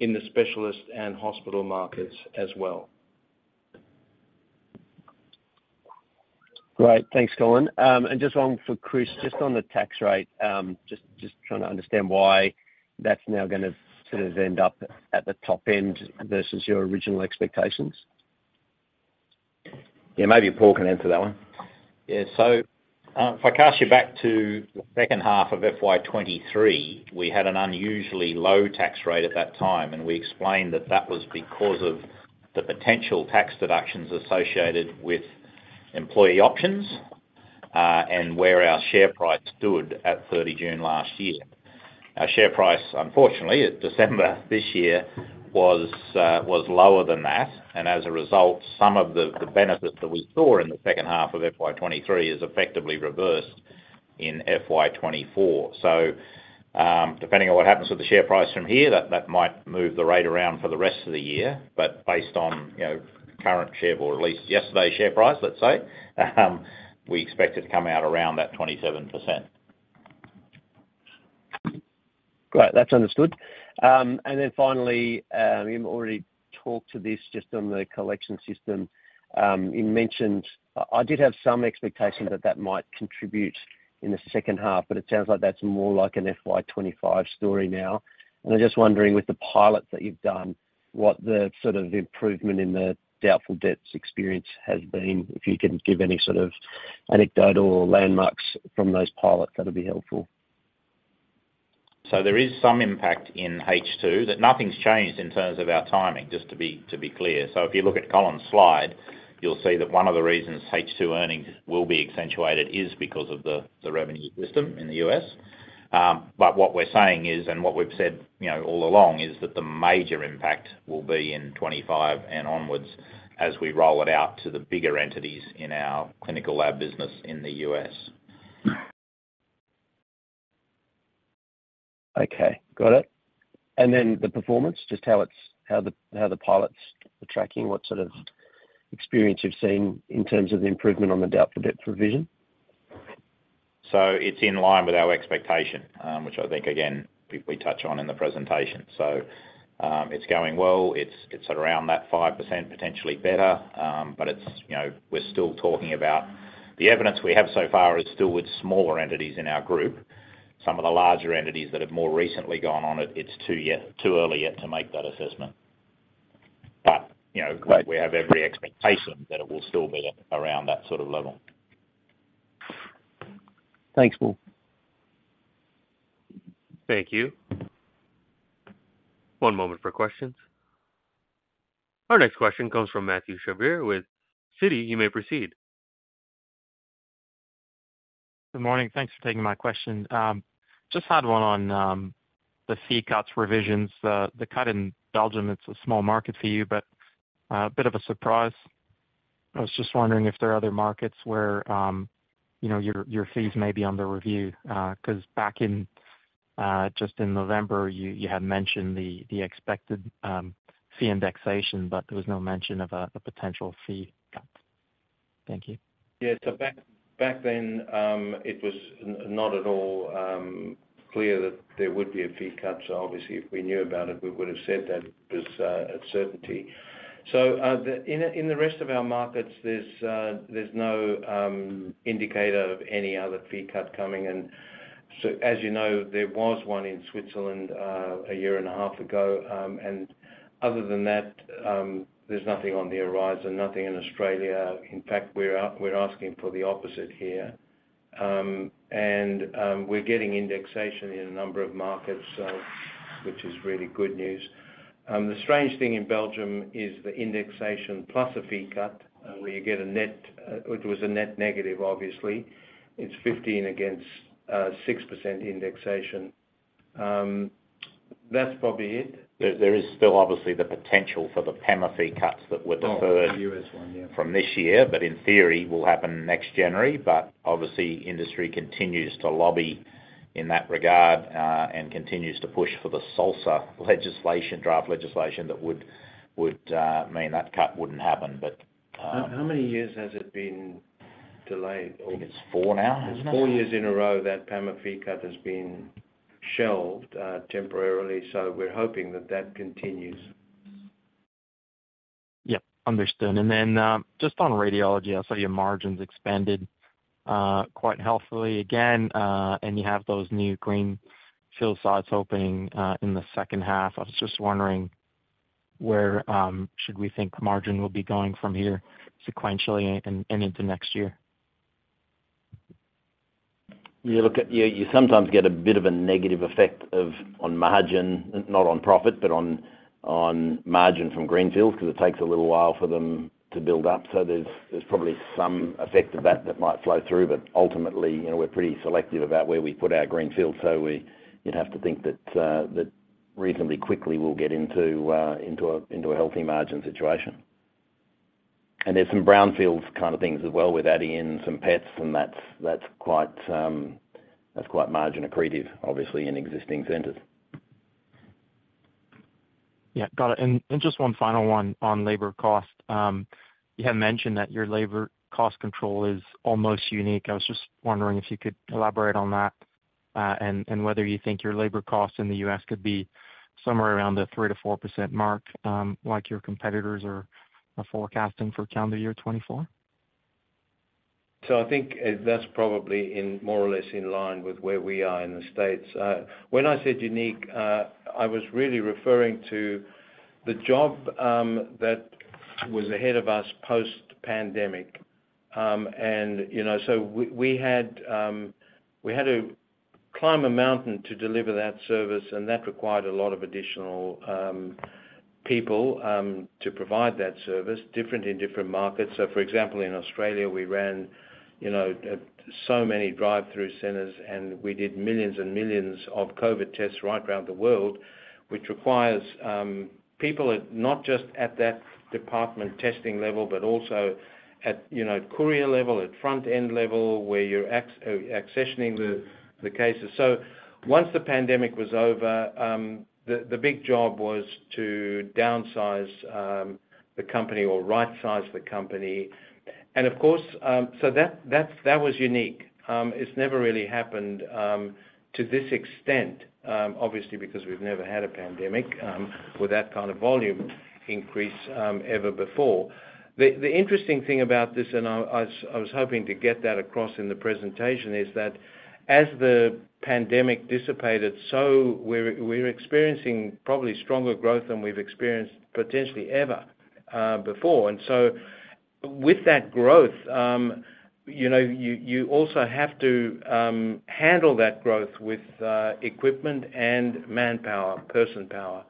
in the specialist and hospital markets as well. Right. Thanks, Colin. And just one for Chris, just on the tax rate, trying to understand why that's now going to sort of end up at the top end versus your original expectations. Yeah. Maybe Paul can answer that one. Yeah. So if I cast you back to the second half of FY 2023, we had an unusually low tax rate at that time. We explained that that was because of the potential tax deductions associated with employee options, and where our share price stood at 30 June last year. Our share price, unfortunately, at December this year, was lower than that. And as a result, some of the benefits that we saw in the second half of FY 2023 is effectively reversed in FY 2024. So, depending on what happens with the share price from here, that might move the rate around for the rest of the year. But based on, you know, current share or at least yesterday's share price, let's say, we expect it to come out around that 27%. Great. That's understood. And then finally, you've already talked to this just on the collection system. You mentioned I did have some expectation that that might contribute in the second half. But it sounds like that's more like an FY 2025 story now. I'm just wondering, with the pilots that you've done, what the sort of improvement in the doubtful debts experience has been, if you can give any sort of anecdotal landmarks from those pilots. That'll be helpful. There is some impact in H2. Nothing's changed in terms of our timing, just to be clear. If you look at Colin's slide, you'll see that one of the reasons H2 earnings will be accentuated is because of the revenue system in the U.S. But what we're saying is and what we've said, you know, all along is that the major impact will be in 2025 and onwards as we roll it out to the bigger entities in our clinical lab business in the U.S. Okay. Got it. And then the performance, just how the pilots are tracking, what sort of experience you've seen in terms of the improvement on the doubtful debt provision? So it's in line with our expectation, which I think, again, we touch on in the presentation. So, it's going well. It's around that 5%, potentially better. But it's, you know, we're still talking about the evidence we have so far is still with smaller entities in our group. Some of the larger entities that have more recently gone on it, it's too early yet to make that assessment. But, you know, we have every expectation that it will still be around that sort of level. Thanks, Paul. Thank you. One moment for questions. Our next question comes from Mathieu Chevrier with Citi, you may proceed. Good morning. Thanks for taking my question. Just had one on the fee cuts revisions. The cut in Belgium, it's a small market for you. But a bit of a surprise. I was just wondering if there are other markets where, you know, your fees may be under review because back in just in November, you had mentioned the expected fee indexation. But there was no mention of a potential fee cut. Thank you. Yeah. So back then, it was not at all clear that there would be a fee cut. So obviously, if we knew about it, we would have said that it was a certainty. So in the rest of our markets, there's no indicator of any other fee cut coming. And so as you know, there was one in Switzerland, a year and a half ago. Other than that, there's nothing on the horizon, nothing in Australia. In fact, we're asking for the opposite here. We're getting indexation in a number of markets, which is really good news. The strange thing in Belgium is the indexation plus a fee cut, where you get a net it was a net negative, obviously. It's 15% against 6% indexation. That's probably it. There is still, obviously, the potential for the PAMA fee cuts that were deferred. Oh, the U.S. one, yeah. From this year. But in theory, will happen next January. But obviously, industry continues to lobby in that regard, and continues to push for the SALSA legislation, draft legislation, that would mean that cut wouldn't happen. But- How many years has it been delayed? I think it's four now, isn't it? It's four years in a row that PAMA fee cut has been shelved, temporarily. So we're hoping that that continues. Yep. Understood. And then, just on radiology, I'll say your margins expanded, quite healthily again. And you have those new greenfield sites opening in the second half. I was just wondering where should we think margin will be going from here sequentially and into next year? You look at—you sometimes get a bit of a negative effect on margin, not on profit, but on margin from greenfields because it takes a little while for them to build up. So there's probably some effect of that that might flow through. But ultimately, you know, we're pretty selective about where we put our greenfields. So you'd have to think that reasonably quickly, we'll get into a healthy margin situation. And there's some brownfields kind of things as well. We're adding in some PETs. And that's, that's quite, that's quite margin accretive, obviously, in existing centers. Yeah. Got it. And, and just one final one on labor cost. You had mentioned that your labor cost control is almost unique. I was just wondering if you could elaborate on that, and, and whether you think your labor costs in the U.S. could be somewhere around the 3%-4% mark, like your competitors are forecasting for calendar year 2024. So I think that's probably in more or less in line with where we are in the States. When I said unique, I was really referring to the job, that was ahead of us post-pandemic. And, you know, so we, we had, we had to climb a mountain to deliver that service. That required a lot of additional people to provide that service, different in different markets. So for example, in Australia, we ran, you know, so many drive-through centers. And we did millions and millions of COVID tests right around the world, which requires people at not just that department testing level, but also at, you know, courier level, at front-end level, where you're accessioning the cases. So once the pandemic was over, the big job was to downsize the company or right-size the company. And of course, that was unique. It’s never really happened to this extent, obviously, because we’ve never had a pandemic with that kind of volume increase, ever before. The interesting thing about this and I was hoping to get that across in the presentation is that as the pandemic dissipated, so we're experiencing probably stronger growth than we've experienced potentially ever before. And so with that growth, you know, you also have to handle that growth with equipment and manpower, personpower.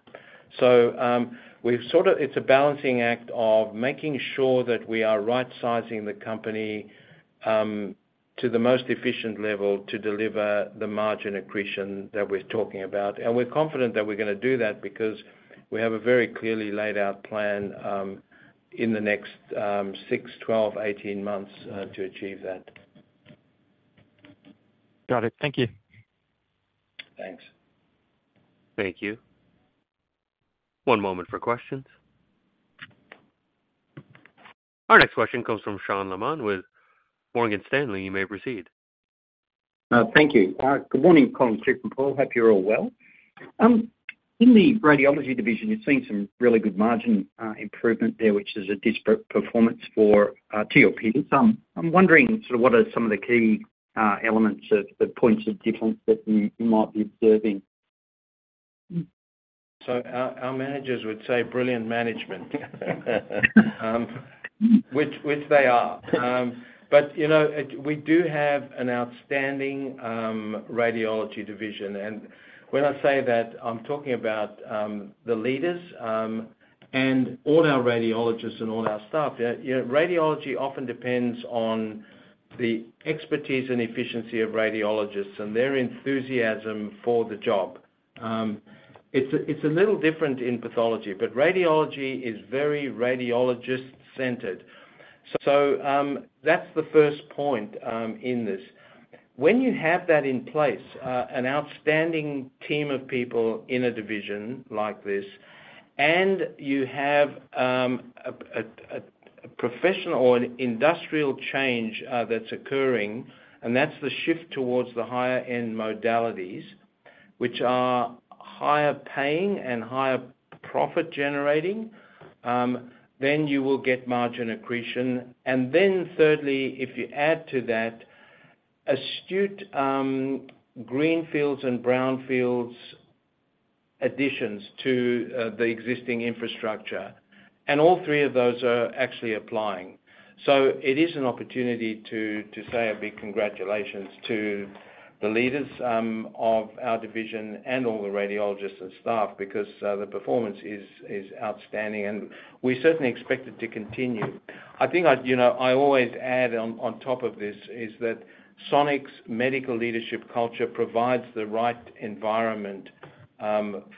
So, we've sort of it's a balancing act of making sure that we are right-sizing the company to the most efficient level to deliver the margin accretion that we're talking about. And we're confident that we're going to do that because we have a very clearly laid out plan in the next six, 12, 18 months to achieve that. Got it. Thank you. Thanks. Thank you. One moment for questions. Our next question comes from Sean Laaman with Morgan Stanley. You may proceed. Thank you. Good morning, Colin, Chris, and Paul. Hope you're all well. In the radiology division, you've seen some really good margin improvement there, which is a disparate performance for, to your peers. I'm wondering sort of what are some of the key elements of the points of difference that you, you might be observing. So our, our managers would say brilliant management, which, which they are. But, you know, we do have an outstanding radiology division. And when I say that, I'm talking about the leaders, and all our radiologists and all our staff. You know, radiology often depends on the expertise and efficiency of radiologists and their enthusiasm for the job. It's a it's a little different in pathology. But radiology is very radiologist-centered. So, that's the first point, in this. When you have that in place, an outstanding team of people in a division like this, and you have a professional or an industrial change that's occurring, and that's the shift towards the higher-end modalities, which are higher paying and higher profit-generating, then you will get margin accretion. And then thirdly, if you add to that astute greenfields and brownfields additions to the existing infrastructure, and all three of those are actually applying. So it is an opportunity to say a big congratulations to the leaders of our division and all the radiologists and staff because the performance is outstanding. And we certainly expect it to continue. I think I'd, you know, I always add on, on top of this, is that Sonic medical leadership culture provides the right environment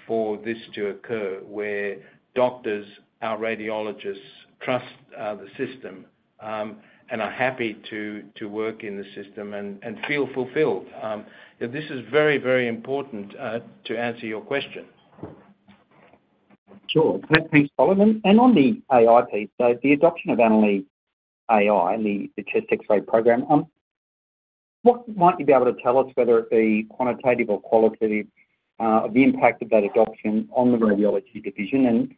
for this to occur, where doctors, our radiologists, trust the system, and are happy to work in the system and feel fulfilled. You know, this is very, very important to answer your question. Sure. Thanks, Colin. And on the AI piece, so the adoption of Annalise.ai and the chest X-ray program, what might you be able to tell us whether it be quantitative or qualitative of the impact of that adoption on the radiology division? And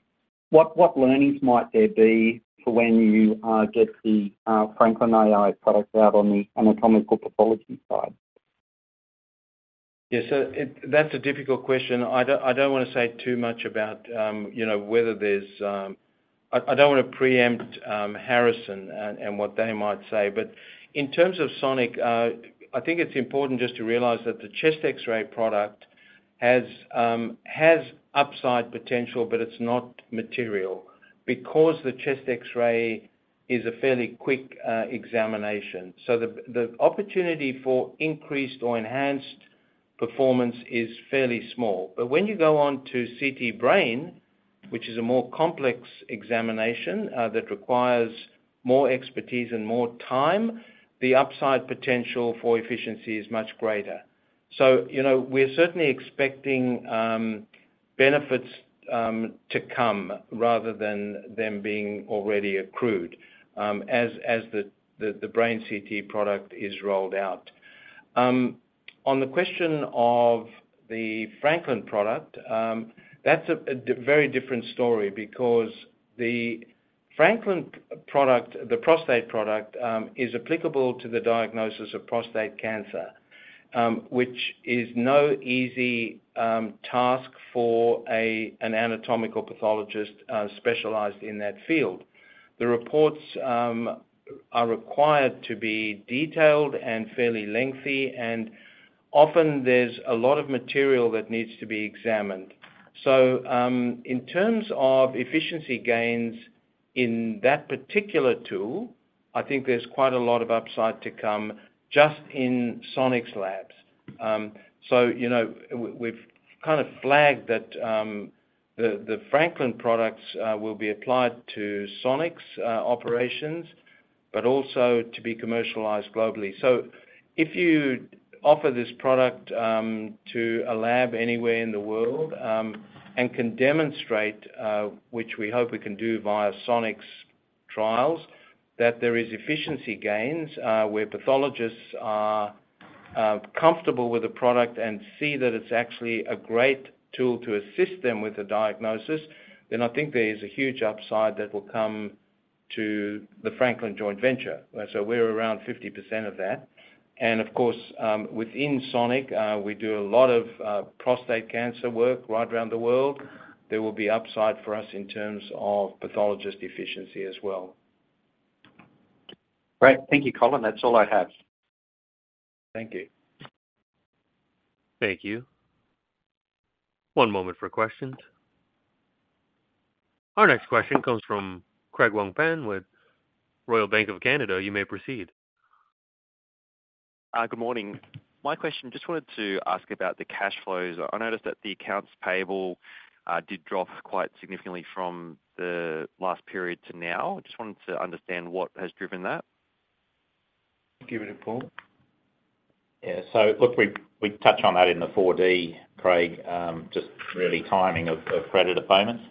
what learnings might there be for when you get the Franklin.ai product out on the anatomical pathology side? Yeah. So it's a difficult question. I don't want to say too much about, you know, whether there's, I don't want to preempt Harrison and what they might say. But in terms of Sonic, I think it's important just to realize that the chest X-ray product has upside potential. But it's not material because the chest X-ray is a fairly quick examination. So the opportunity for increased or enhanced performance is fairly small. But when you go on to CT brain, which is a more complex examination, that requires more expertise and more time, the upside potential for efficiency is much greater. So, you know, we're certainly expecting benefits to come rather than them being already accrued, as the brain CT product is rolled out. On the question of the Franklin product, that's a very different story because the Franklin product, the prostate product, is applicable to the diagnosis of prostate cancer, which is no easy task for an anatomical pathologist specialized in that field. The reports are required to be detailed and fairly lengthy. And often, there's a lot of material that needs to be examined. So, in terms of efficiency gains in that particular tool, I think there's quite a lot of upside to come just in Sonic labs. So, you know, we've kind of flagged that the Franklin products will be applied to Sonic operations, but also to be commercialized globally. So if you offer this product to a lab anywhere in the world and can demonstrate, which we hope we can do via Sonic trials, that there is efficiency gains where pathologists are comfortable with the product and see that it's actually a great tool to assist them with a diagnosis, then I think there is a huge upside that will come to the Franklin joint venture. So we're around 50% of that. And of course, within Sonic, we do a lot of prostate cancer work right around the world. There will be upside for us in terms of pathologist efficiency as well. Great. Thank you, Colin. That's all I have. Thank you. Thank you. One moment for questions. Our next question comes from Craig Wong-Pan with Royal Bank of Canada. You may proceed. Good morning. My question, just wanted to ask about the cash flows. I noticed that the accounts payable did drop quite significantly from the last period to now. Just wanted to understand what has driven that. Give it to Paul. Yeah. So look, we touched on that in the 4D, Craig, just really timing of credit appointments.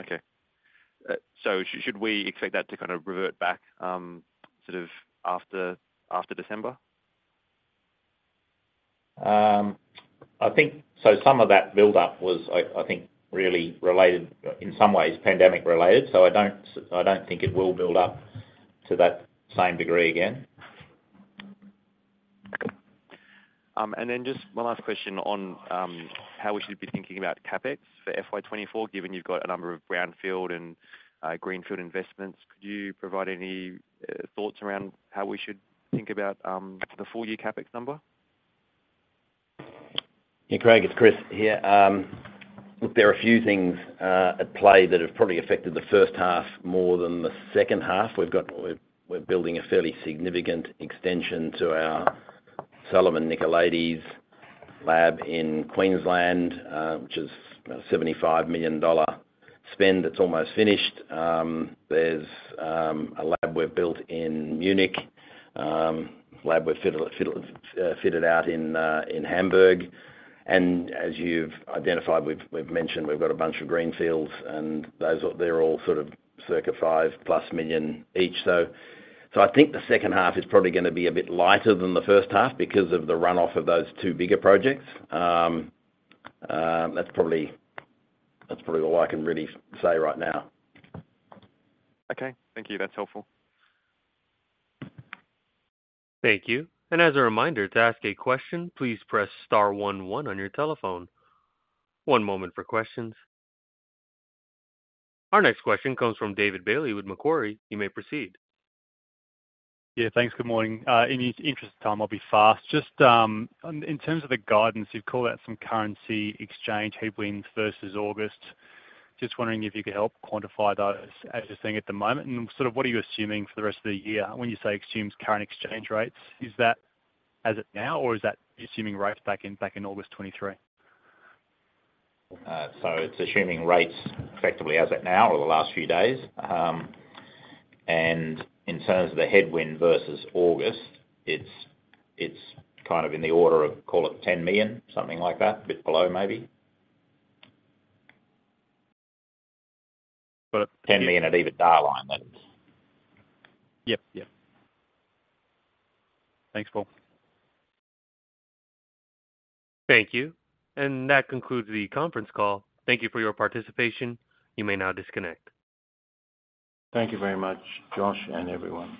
Okay. So should we expect that to kind of revert back, sort of after December? I think so. Some of that buildup was, I think, really related in some ways, pandemic-related. So I don't think it will build up to that same degree again. Then just one last question on how we should be thinking about CapEx for FY 2024, given you've got a number of brownfield and greenfield investments. Could you provide any thoughts around how we should think about the full-year CapEx number? Yeah, Craig. It's Chris here. Look, there are a few things at play that have probably affected the first half more than the second half. We've got, we're building a fairly significant extension to our Sullivan Nicolaides lab in Queensland, which is about a 75 million dollar spend. It's almost finished. There's a lab we've built in Munich, lab we've fitted out in Hamburg. And as you've identified, we've mentioned, we've got a bunch of greenfields. And those are all sort of circa 5+ million each. So I think the second half is probably going to be a bit lighter than the first half because of the runoff of those two bigger projects. That's probably all I can really say right now. Okay. Thank you. That's helpful. Thank you. And as a reminder, to ask a question, please press star one one on your telephone. One moment for questions. Our next question comes from David Bailey with Macquarie. You may proceed. Yeah. Thanks. Good morning. In your interest of time, I'll be fast. Just, in terms of the guidance, you've called out some currency exchange headwinds versus August. Just wondering if you could help quantify those as you're seeing at the moment. And sort of what are you assuming for the rest of the year? When you say assumes current exchange rates, is that as it now? Or is that assuming rates back in August 2023? So it's assuming rates effectively as it now or the last few days. And in terms of the headwind versus August, it's kind of in the order of call it 10 million, something like that, a bit below maybe. Got it. 10 million at EBITDA line, that. Yep. Yep. Thanks, Paul. Thank you. That concludes the conference call. Thank you for your participation. You may now disconnect. Thank you very much, Josh, and everyone.